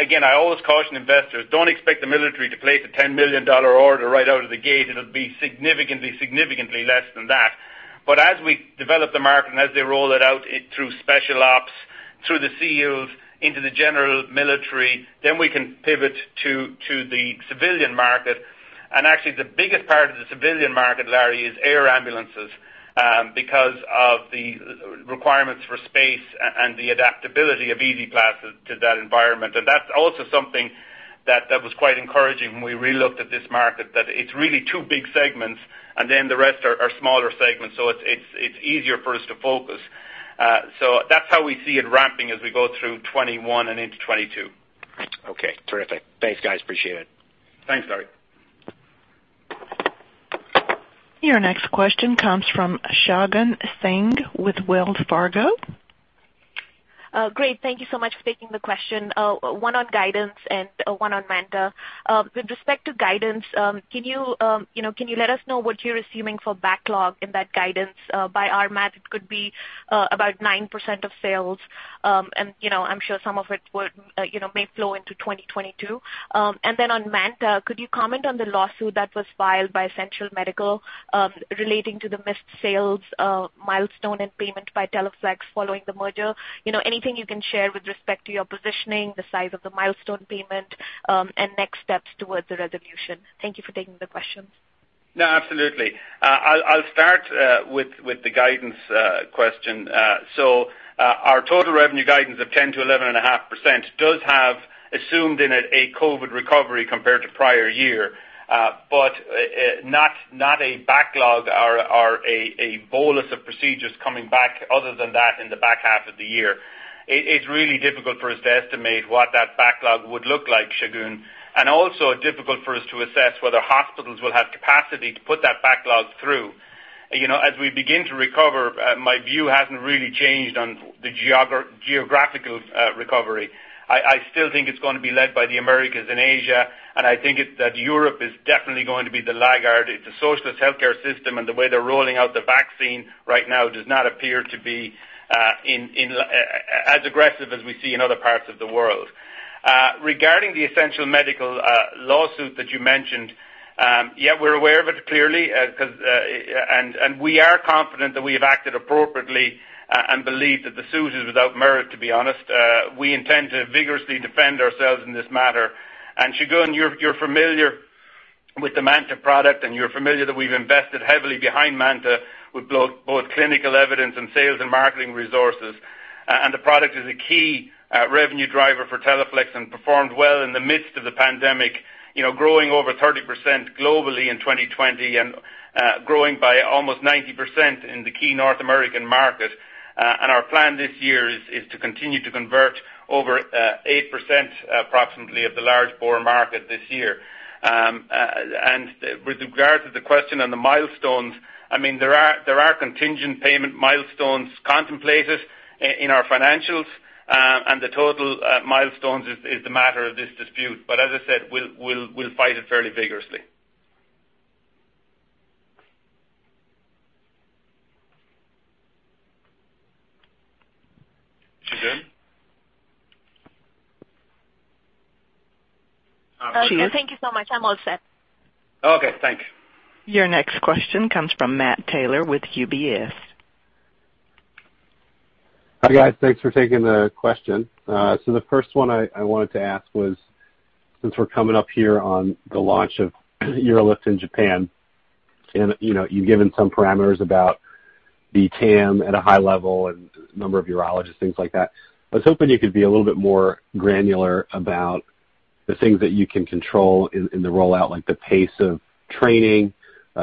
Again, I always caution investors, don't expect the military to place a $10 million order right out of the gate. It'll be significantly less than that. As we develop the market and as they roll it out through special ops, through the SEALs into the general military, then we can pivot to the civilian market. Actually, the biggest part of the civilian market, Larry, is air ambulances, because of the requirements for space and the adaptability of EZ-PLAZ to that environment. That's also something that was quite encouraging when we re-looked at this market, that it's really two big segments, and then the rest are smaller segments. It's easier for us to focus. That's how we see it ramping as we go through 2021 and into 2022. Okay. Terrific. Thanks, guys. Appreciate it. Thanks, Larry. Your next question comes from Shagun Singh with Wells Fargo. Great. Thank you so much for taking the question. One on guidance and one on MANTA. With respect to guidance, can you let us know what you're assuming for backlog in that guidance? By our math, it could be about 9% of sales. And I'm sure some of it may flow into 2022. And then on MANTA, could you comment on the lawsuit that was filed by Essential Medical relating to the missed sales milestone and payment by Teleflex following the merger? Anything you can share with respect to your positioning, the size of the milestone payment, and next steps towards the resolution. Thank you for taking the questions. No, absolutely. I'll start with the guidance question. Our total revenue guidance of 10%-11.5% does have assumed in it a COVID recovery compared to prior year. Not a backlog or a bolus of procedures coming back other than that in the back half of the year. It's really difficult for us to estimate what that backlog would look like, Shagun, and also difficult for us to assess whether hospitals will have capacity to put that backlog through. As we begin to recover, my view hasn't really changed on the geographical recovery. I still think it's going to be led by the Americas and Asia, and I think that Europe is definitely going to be the laggard. It's a socialist healthcare system, and the way they're rolling out the vaccine right now does not appear to be as aggressive as we see in other parts of the world. Regarding the Essential Medical lawsuit that you mentioned, yeah, we're aware of it clearly. We are confident that we have acted appropriately, and believe that the suit is without merit, to be honest. We intend to vigorously defend ourselves in this matter. Shagun, you're familiar with the MANTA product, and you're familiar that we've invested heavily behind MANTA with both clinical evidence and sales and marketing resources. The product is a key revenue driver for Teleflex and performed well in the midst of the pandemic, growing over 30% globally in 2020 and growing by almost 90% in the key North American market. Our plan this year is to continue to convert over 8% approximately of the large bore market this year. With regards to the question on the milestones, there are contingent payment milestones contemplated in our financials, and the total milestones is the matter of this dispute. As I said, we'll fight it fairly vigorously. Shagun? Thank you so much. I'm all set. Okay. Thanks. Your next question comes from Matt Taylor with UBS. Hi, guys. Thanks for taking the question. The first one I wanted to ask was, since we're coming up here on the launch of UroLift in Japan, and you've given some parameters about the TAM at a high level and number of urologists, things like that. I was hoping you could be a little bit more granular about the things that you can control in the rollout, like the pace of training,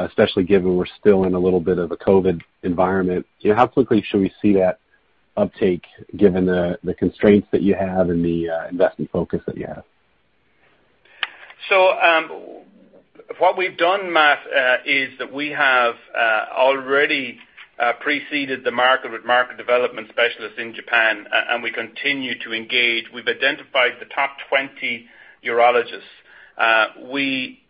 especially given we're still in a little bit of a COVID environment. How quickly should we see that uptake given the constraints that you have and the investment focus that you have? What we've done, Matt, is that we have already pre-seeded the market with market development specialists in Japan, and we continue to engage. We've identified the top 20 urologists.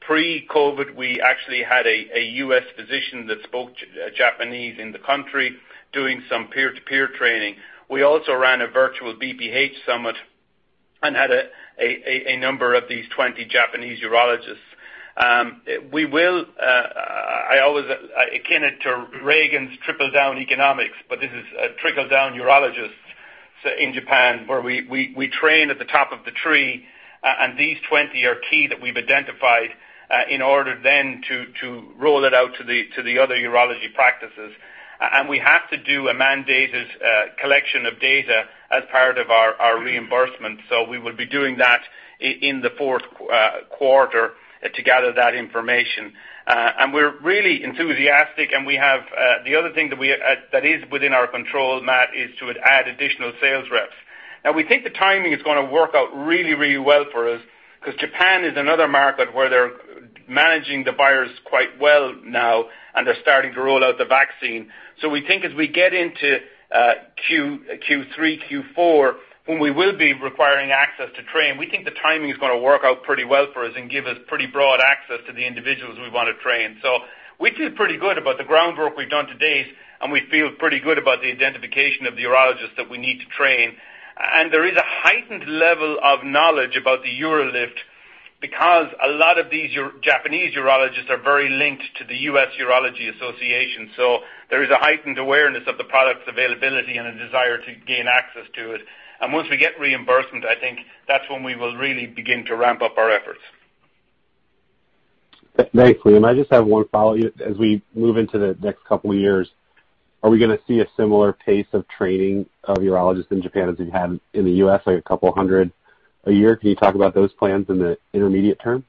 Pre-COVID, we actually had a U.S. physician that spoke Japanese in the country doing some peer-to-peer training. We also ran a virtual BPH summit and had a number of these 20 Japanese urologists. I akin it to Reagan's trickle-down economics, but this is a trickle-down urologist in Japan, where we train at the top of the tree, and these 20 are key that we've identified in order then to roll it out to the other urology practices. We have to do a mandated collection of data as part of our reimbursement. We will be doing that in the fourth quarter to gather that information. We're really enthusiastic, and the other thing that is within our control, Matt, is to add additional sales reps. Now, we think the timing is going to work out really well for us because Japan is another market where they're managing the virus quite well now, and they're starting to roll out the vaccine. We think as we get into Q3, Q4, when we will be requiring access to train, we think the timing is going to work out pretty well for us and give us pretty broad access to the individuals we want to train. We feel pretty good about the groundwork we've done to date, and we feel pretty good about the identification of the urologists that we need to train. There is a heightened level of knowledge about the UroLift because a lot of these Japanese urologists are very linked to the American Urological Association. There is a heightened awareness of the product's availability and a desire to gain access to it. Once we get reimbursement, I think that's when we will really begin to ramp up our efforts. Thanks, Liam. I just have one follow. As we move into the next couple of years, are we going to see a similar pace of training of urologists in Japan as we have in the U.S., like a couple of 100 a year? Can you talk about those plans in the intermediate term?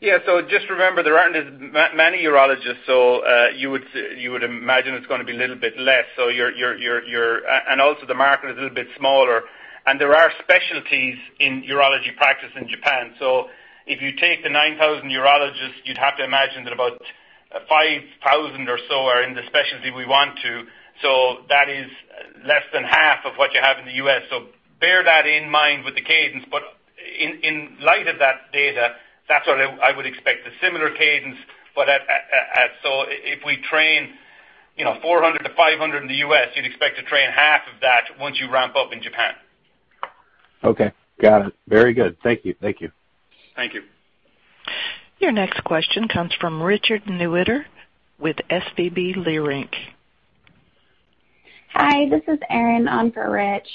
Yeah. Just remember, there aren't as many urologists. You would imagine it's going to be a little bit less. Also the market is a little bit smaller, and there are specialties in urology practice in Japan. If you take the 9,000 urologists, you'd have to imagine that about 5,000 or so are in the specialty we want to. That is less than half of what you have in the U.S. Bear that in mind with the cadence. In light of that data, that's what I would expect, a similar cadence. If we train 400-500 in the U.S., you'd expect to train half of that once you ramp up in Japan. Okay. Got it. Very good. Thank you. Thank you. Your next question comes from Richard Newitter with SVB Leerink. Hi, this is Erin on for Rich.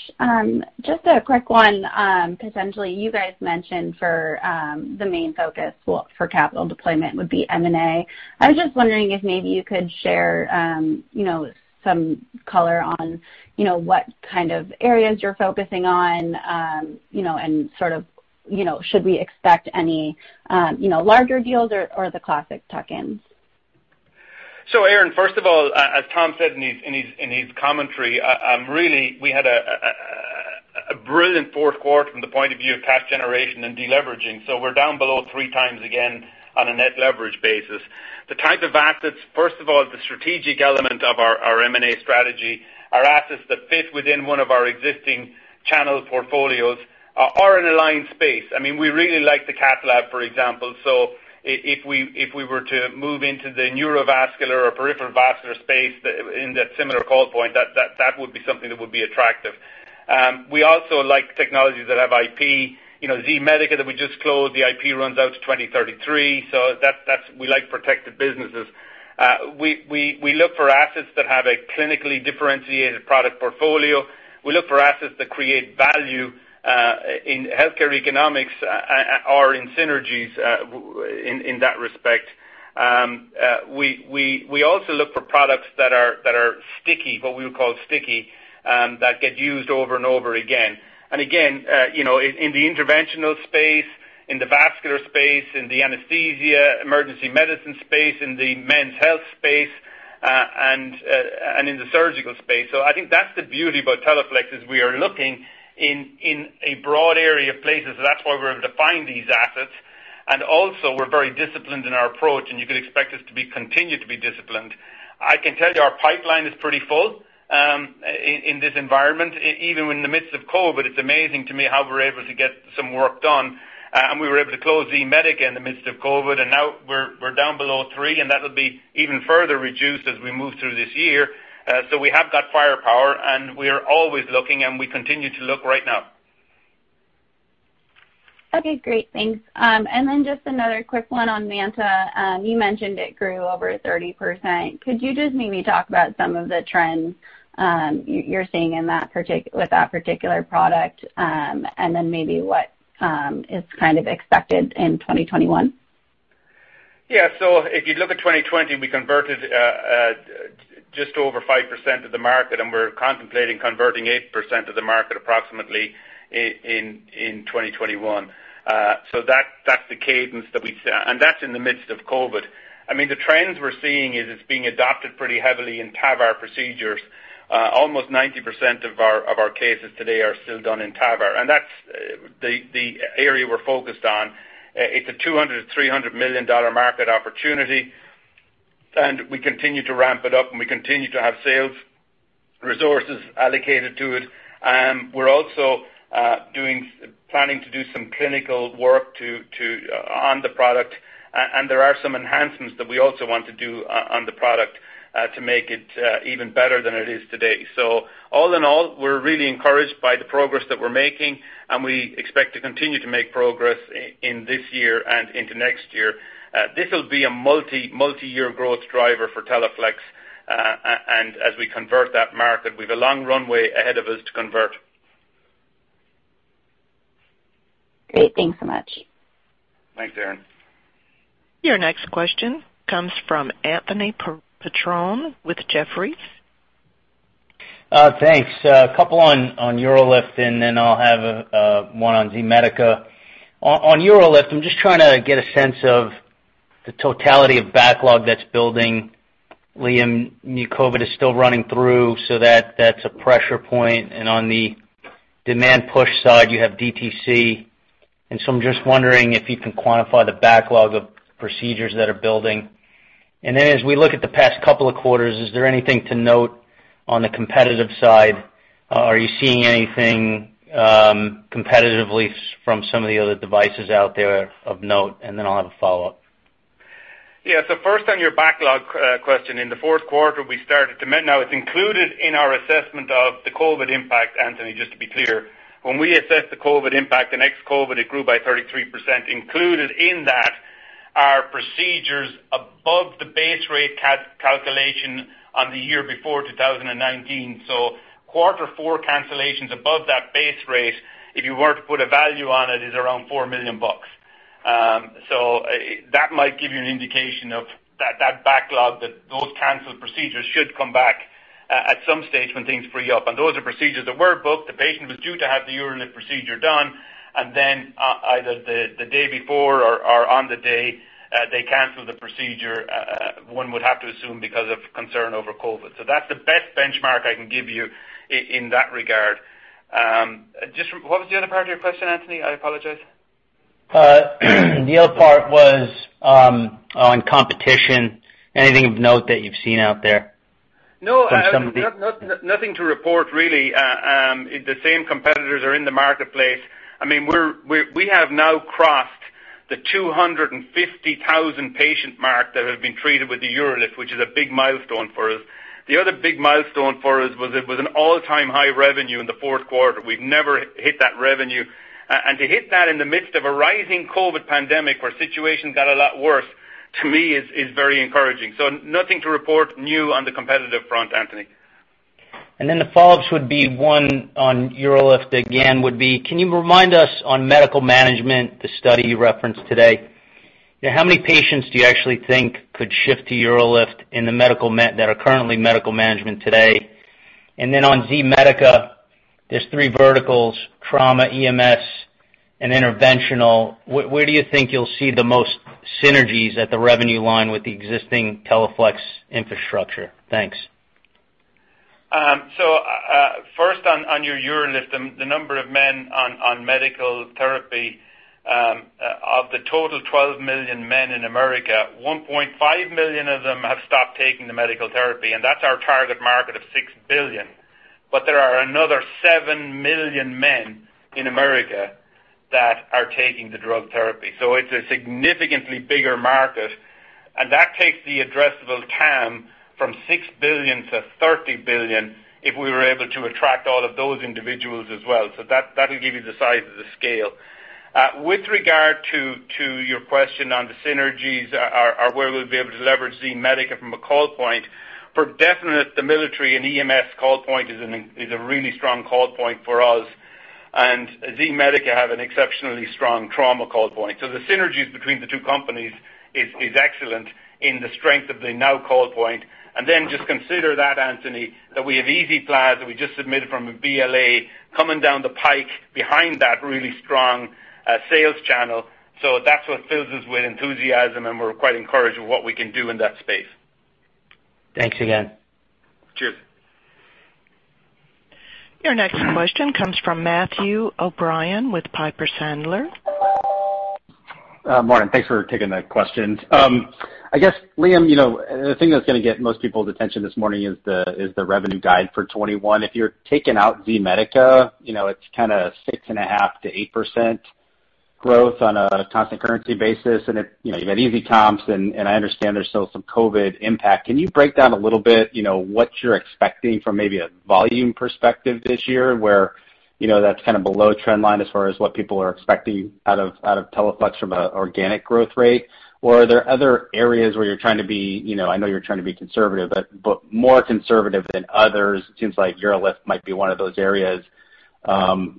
Just a quick one. Potentially, you guys mentioned for the main focus for capital deployment would be M&A. I was just wondering if maybe you could share some color on what kind of areas you're focusing on, and should we expect any larger deals or the classic tuck-ins? Erin, first of all, as Tom said in his commentary, really, we had a brilliant fourth quarter from the point of view of cash generation and deleveraging. We're down below three times again on a net leverage basis. The type of assets, first of all, the strategic element of our M&A strategy are assets that fit within one of our existing channel portfolios or in an aligned space. We really like the cath lab, for example. If we were to move into the neurovascular or peripheral vascular space in that similar call point, that would be something that would be attractive. We also like technologies that have IP. Z-Medica that we just closed, the IP runs out to 2033. We like protected businesses. We look for assets that have a clinically differentiated product portfolio. We look for assets that create value in healthcare economics or in synergies in that respect. We also look for products that are sticky, what we would call sticky, that get used over and over again. Again, in the interventional space, in the vascular space, in the anesthesia emergency medicine space, in the men's health space, and in the surgical space. I think that's the beauty about Teleflex is we are looking in a broad area of places. That's why we're able to find these assets. Also we're very disciplined in our approach, and you can expect us to continue to be disciplined. I can tell you our pipeline is pretty full in this environment, even in the midst of COVID. It's amazing to me how we're able to get some work done. We were able to close Z-Medica in the midst of COVID, and now we're down below three, and that'll be even further reduced as we move through this year. We have that firepower, and we are always looking, and we continue to look right now. Okay, great. Thanks. Just another quick one on MANTA. You mentioned it grew over 30%. Could you just maybe talk about some of the trends you're seeing with that particular product? Maybe what is kind of expected in 2021? Yeah. If you look at 2020, we converted just over 5% of the market, and we're contemplating converting 8% of the market approximately in 2021. That's the cadence that we've set, and that's in the midst of COVID. The trends we're seeing is it's being adopted pretty heavily in TAVR procedures. Almost 90% of our cases today are still done in TAVR, and that's the area we're focused on. It's a $200 million-$300 million market opportunity, and we continue to ramp it up, and we continue to have sales resources allocated to it. We're also planning to do some clinical work on the product, and there are some enhancements that we also want to do on the product to make it even better than it is today. All in all, we're really encouraged by the progress that we're making, and we expect to continue to make progress in this year and into next year. This will be a multi-year growth driver for Teleflex, and as we convert that market, we've a long runway ahead of us to convert. Great. Thanks so much. Thanks, Erin. Your next question comes from Anthony Petrone with Jefferies. Thanks. A couple on UroLift, then I'll have one on Z-Medica. On UroLift, I'm just trying to get a sense of the totality of backlog that's building. Liam, new COVID is still running through, so that's a pressure point. On the demand push side, you have DTC. I'm just wondering if you can quantify the backlog of procedures that are building. As we look at the past couple of quarters, is there anything to note on the competitive side? Are you seeing anything competitively from some of the other devices out there of note? I'll have a follow-up. First on your backlog question, in the fourth quarter, now it's included in our assessment of the COVID impact, Anthony, just to be clear. When we assess the COVID impact in ex-COVID, it grew by 33%, included in that are procedures above the base rate calculation on the year before 2019. Quarter four cancellations above that base rate, if you were to put a value on it, is around $4 million. That might give you an indication of that backlog, those canceled procedures should come back at some stage when things free up. Those are procedures that were booked. The patient was due to have the UroLift procedure done, either the day before or on the day, they canceled the procedure, one would have to assume because of concern over COVID. That's the best benchmark I can give you in that regard. What was the other part of your question, Anthony? I apologize. The other part was on competition. Anything of note that you've seen out there from some of the? No, nothing to report really. The same competitors are in the marketplace. We have now crossed the 250,000 patient mark that have been treated with the UroLift, which is a big milestone for us. The other big milestone for us was it was an all-time high revenue in the fourth quarter. We've never hit that revenue. To hit that in the midst of a rising COVID pandemic where situations got a lot worse, to me, is very encouraging. Nothing to report new on the competitive front, Anthony. The follow-ups would be one on UroLift again, can you remind us on medical management, the study you referenced today, how many patients do you actually think could shift to UroLift that are currently medical management today? On Z-Medica, there's three verticals, trauma, EMS, and interventional. Where do you think you'll see the most synergies at the revenue line with the existing Teleflex infrastructure? Thanks. First on your UroLift, the number of men on medical therapy. Of the total 12 million men in America, 1.5 million of them have stopped taking the medical therapy, and that's our target market of $6 billion. There are another 7 million men in America that are taking the drug therapy. It's a significantly bigger market, and that takes the addressable TAM from $6 billion to $30 billion if we were able to attract all of those individuals as well. That'll give you the size of the scale. With regard to your question on the synergies or where we'll be able to leverage Z-Medica from a call point, for definite, the military and EMS call point is a really strong call point for us. And Z-Medica have an exceptionally strong trauma call point. The synergies between the two companies is excellent in the strength of the now call point. Just consider that, Anthony Petrone, that we have EZ-PLAZ that we just submitted from a BLA coming down the pike behind that really strong sales channel. That's what fills us with enthusiasm, and we're quite encouraged with what we can do in that space. Thanks again. Cheers. Your next question comes from Matthew O'Brien with Piper Sandler. Morning. Thanks for taking the questions. I guess, Liam, the thing that's going to get most people's attention this morning is the revenue guide for 2021. If you're taking out Z-Medica, it's kind of 6.5%-8% growth on a constant currency basis. You've had easy comps. I understand there's still some COVID impact. Can you break down a little bit what you're expecting from maybe a volume perspective this year where that's kind of below trend line as far as what people are expecting out of Teleflex from an organic growth rate? Are there other areas where you're trying to be, I know you're trying to be conservative, but more conservative than others? It seems like UroLift might be one of those areas.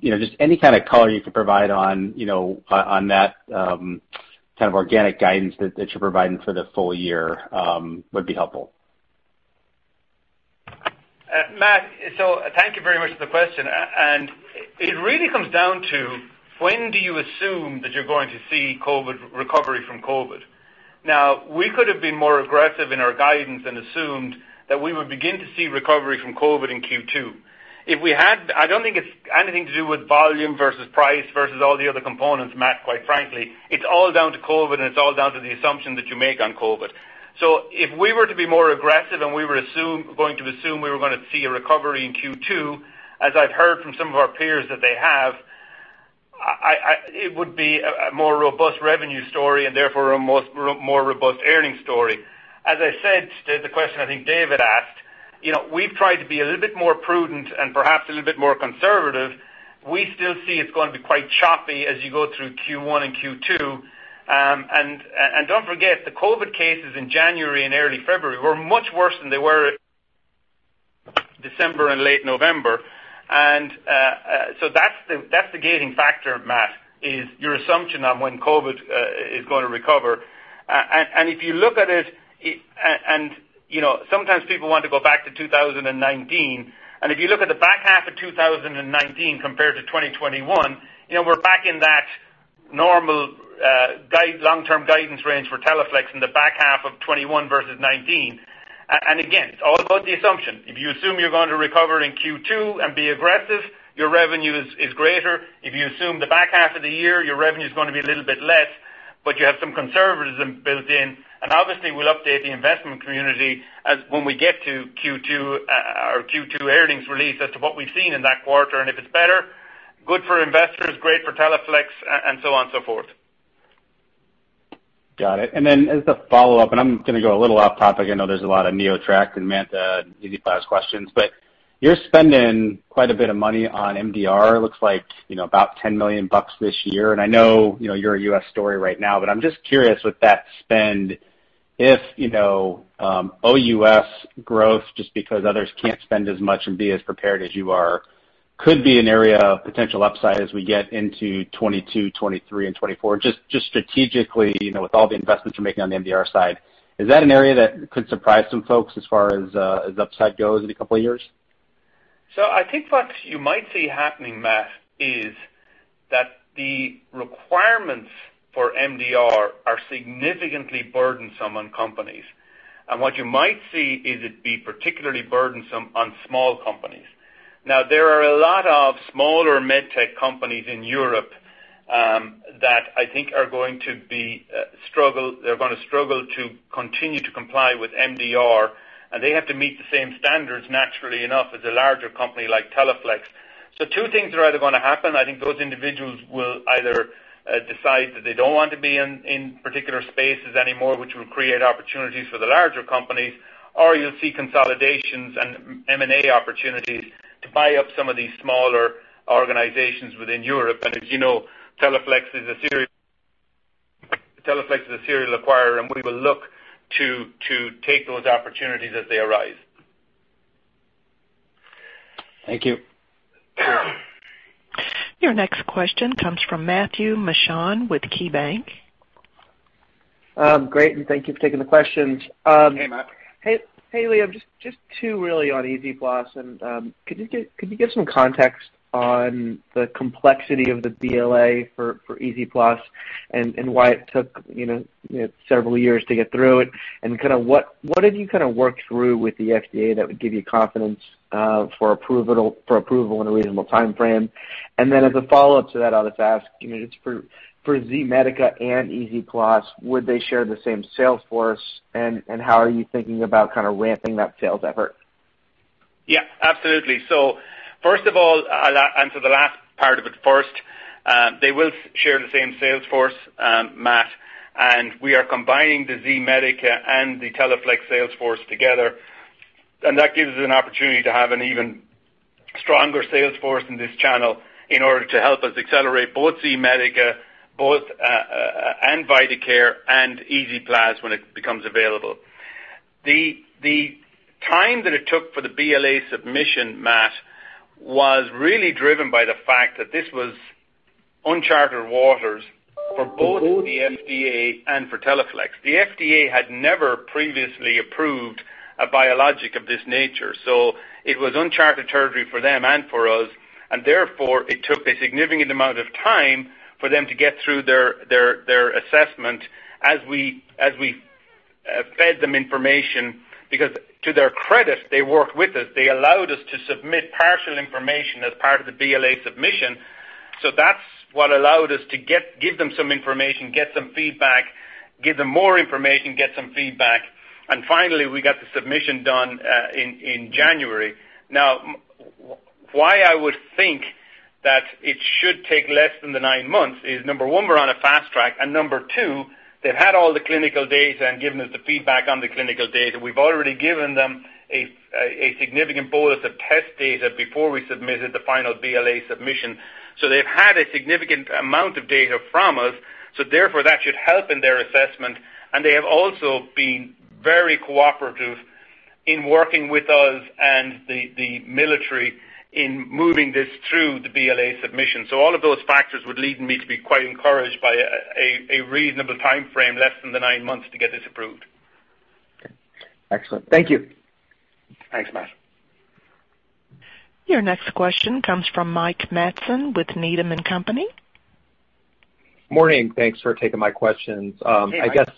Just any kind of color you could provide on that kind of organic guidance that you're providing for the full year would be helpful. Matt, thank you very much for the question. It really comes down to when do you assume that you're going to see recovery from COVID? Now, we could have been more aggressive in our guidance and assumed that we would begin to see recovery from COVID in Q2. I don't think it's anything to do with volume versus price versus all the other components, Matt, quite frankly. It's all down to COVID, and it's all down to the assumption that you make on COVID. If we were to be more aggressive and we were going to assume we were going to see a recovery in Q2, as I've heard from some of our peers that they have, it would be a more robust revenue story and therefore a more robust earning story. As I said to the question I think David asked, we've tried to be a little bit more prudent and perhaps a little bit more conservative. We still see it's going to be quite choppy as you go through Q1 and Q2. Don't forget, the COVID cases in January and early February were much worse than they were December and late November. That's the gating factor, Matt, is your assumption on when COVID is going to recover. If you look at it, sometimes people want to go back to 2019, if you look at the back half of 2019 compared to 2021, we're back in that normal long-term guidance range for Teleflex in the back half of 2021 versus 2019. Again, it's all about the assumption. If you assume you're going to recover in Q2 and be aggressive, your revenue is greater. If you assume the back half of the year, your revenue is going to be a little bit less, but you have some conservatism built in. Obviously, we'll update the investment community when we get to our Q2 earnings release as to what we've seen in that quarter. If it's better, good for investors, great for Teleflex, and so on and so forth. Got it. Then as a follow-up, I'm going to go a little off topic. I know there's a lot of NeoTract and MANTA and EZ-PLAZ questions, but you're spending quite a bit of money on MDR. It looks like about $10 million this year. I know you're a U.S. story right now, but I'm just curious with that spend if OUS growth, just because others can't spend as much and be as prepared as you are, could be an area of potential upside as we get into 2022, 2023, and 2024. Just strategically, with all the investments you're making on the MDR side, is that an area that could surprise some folks as far as upside goes in a couple of years? I think what you might see happening, Matt, is that the requirements for MDR are significantly burdensome on companies. What you might see is it be particularly burdensome on small companies. There are a lot of smaller med tech companies in Europe that I think are going to struggle to continue to comply with MDR, and they have to meet the same standards, naturally enough, as a larger company like Teleflex. Two things are either going to happen. I think those individuals will either decide that they don't want to be in particular spaces anymore, which will create opportunities for the larger companies, or you'll see consolidations and M&A opportunities to buy up some of these smaller organizations within Europe. As you know, Teleflex is a serial acquirer, and we will look to take those opportunities as they arise. Thank you. Your next question comes from Matthew Mishan with KeyBanc. Great, thank you for taking the questions. Hey, Matt. Hey, Liam. Just two really on EZ-PLAZ. Could you give some context on the complexity of the BLA for EZ-PLAZ and why it took several years to get through it? What did you work through with the FDA that would give you confidence for approval in a reasonable timeframe? As a follow-up to that, I'll just ask, just for Z-Medica and EZ-PLAZ, would they share the same sales force? How are you thinking about kind of ramping that sales effort? Yeah, absolutely. First of all, I'll answer the last part of it first. They will share the same sales force, Matt, and we are combining the Z-Medica and the Teleflex sales force together. That gives us an opportunity to have an even stronger sales force in this channel in order to help us accelerate both Z-Medica and Vidacare and EZ-PLAZ when it becomes available. The time that it took for the BLA submission, Matt, was really driven by the fact that this was uncharted waters for both the FDA and for Teleflex. The FDA had never previously approved a biologic of this nature, so it was uncharted territory for them and for us, and therefore, it took a significant amount of time for them to get through their assessment as we fed them information. To their credit, they worked with us. They allowed us to submit partial information as part of the BLA submission. That's what allowed us to give them some information, get some feedback, give them more information, get some feedback, and finally, we got the submission done in January. Now, why I would think that it should take less than the nine months is, number one, we're on a fast track, and number two, they've had all the clinical data and given us the feedback on the clinical data. We've already given them a significant bolus of test data before we submitted the final BLA submission. They've had a significant amount of data from us, so therefore, that should help in their assessment. They have also been very cooperative in working with us and the military in moving this through the BLA submission. All of those factors would lead me to be quite encouraged by a reasonable timeframe, less than the nine months to get this approved. Okay. Excellent. Thank you. Thanks, Matt. Your next question comes from Mike Matson with Needham & Company. Morning. Thanks for taking my questions. Hey, Mike.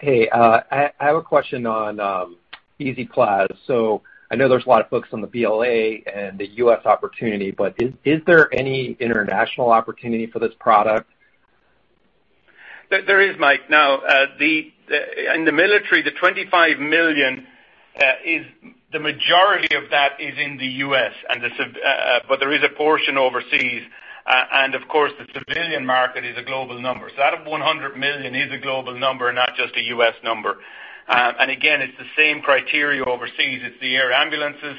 Hey, I have a question on EZ-PLAZ. I know there's a lot of focus on the BLA and the U.S. opportunity, but is there any international opportunity for this product? There is, Mike. In the military, the $25 million, the majority of that is in the U.S., but there is a portion overseas. Of course, the civilian market is a global number. That $100 million is a global number, not just a U.S. number. Again, it's the same criteria overseas. It's the air ambulances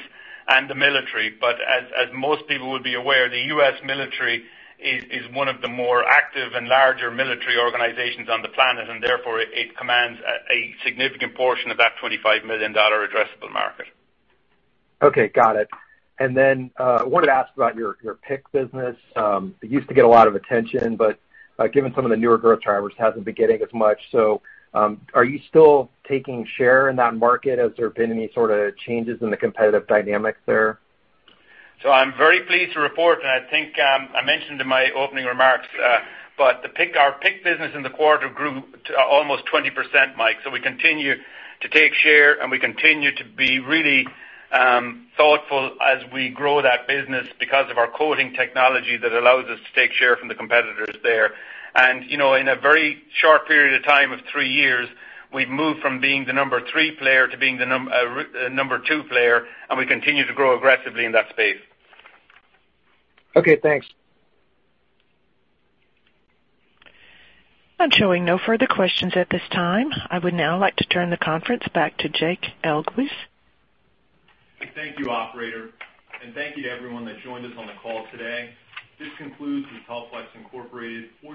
and the military. As most people would be aware, the U.S. military is one of the more active and larger military organizations on the planet, and therefore it commands a significant portion of that $25 million addressable market. Okay, got it. I wanted to ask about your PICC business. It used to get a lot of attention, but given some of the newer growth drivers, hasn't been getting as much. Are you still taking share in that market? Has there been any sort of changes in the competitive dynamics there? I'm very pleased to report, and I think I mentioned in my opening remarks, but our PICC business in the quarter grew to almost 20%, Mike. We continue to take share, and we continue to be really thoughtful as we grow that business because of our coating technology that allows us to take share from the competitors there. In a very short period of time of three years, we've moved from being the number three player to being the number two player, and we continue to grow aggressively in that space. Okay, thanks. I'm showing no further questions at this time. I would now like to turn the conference back to Jake Elguicze. Thank you, operator, and thank you to everyone that joined us on the call today. This concludes the Teleflex Incorporated fourth.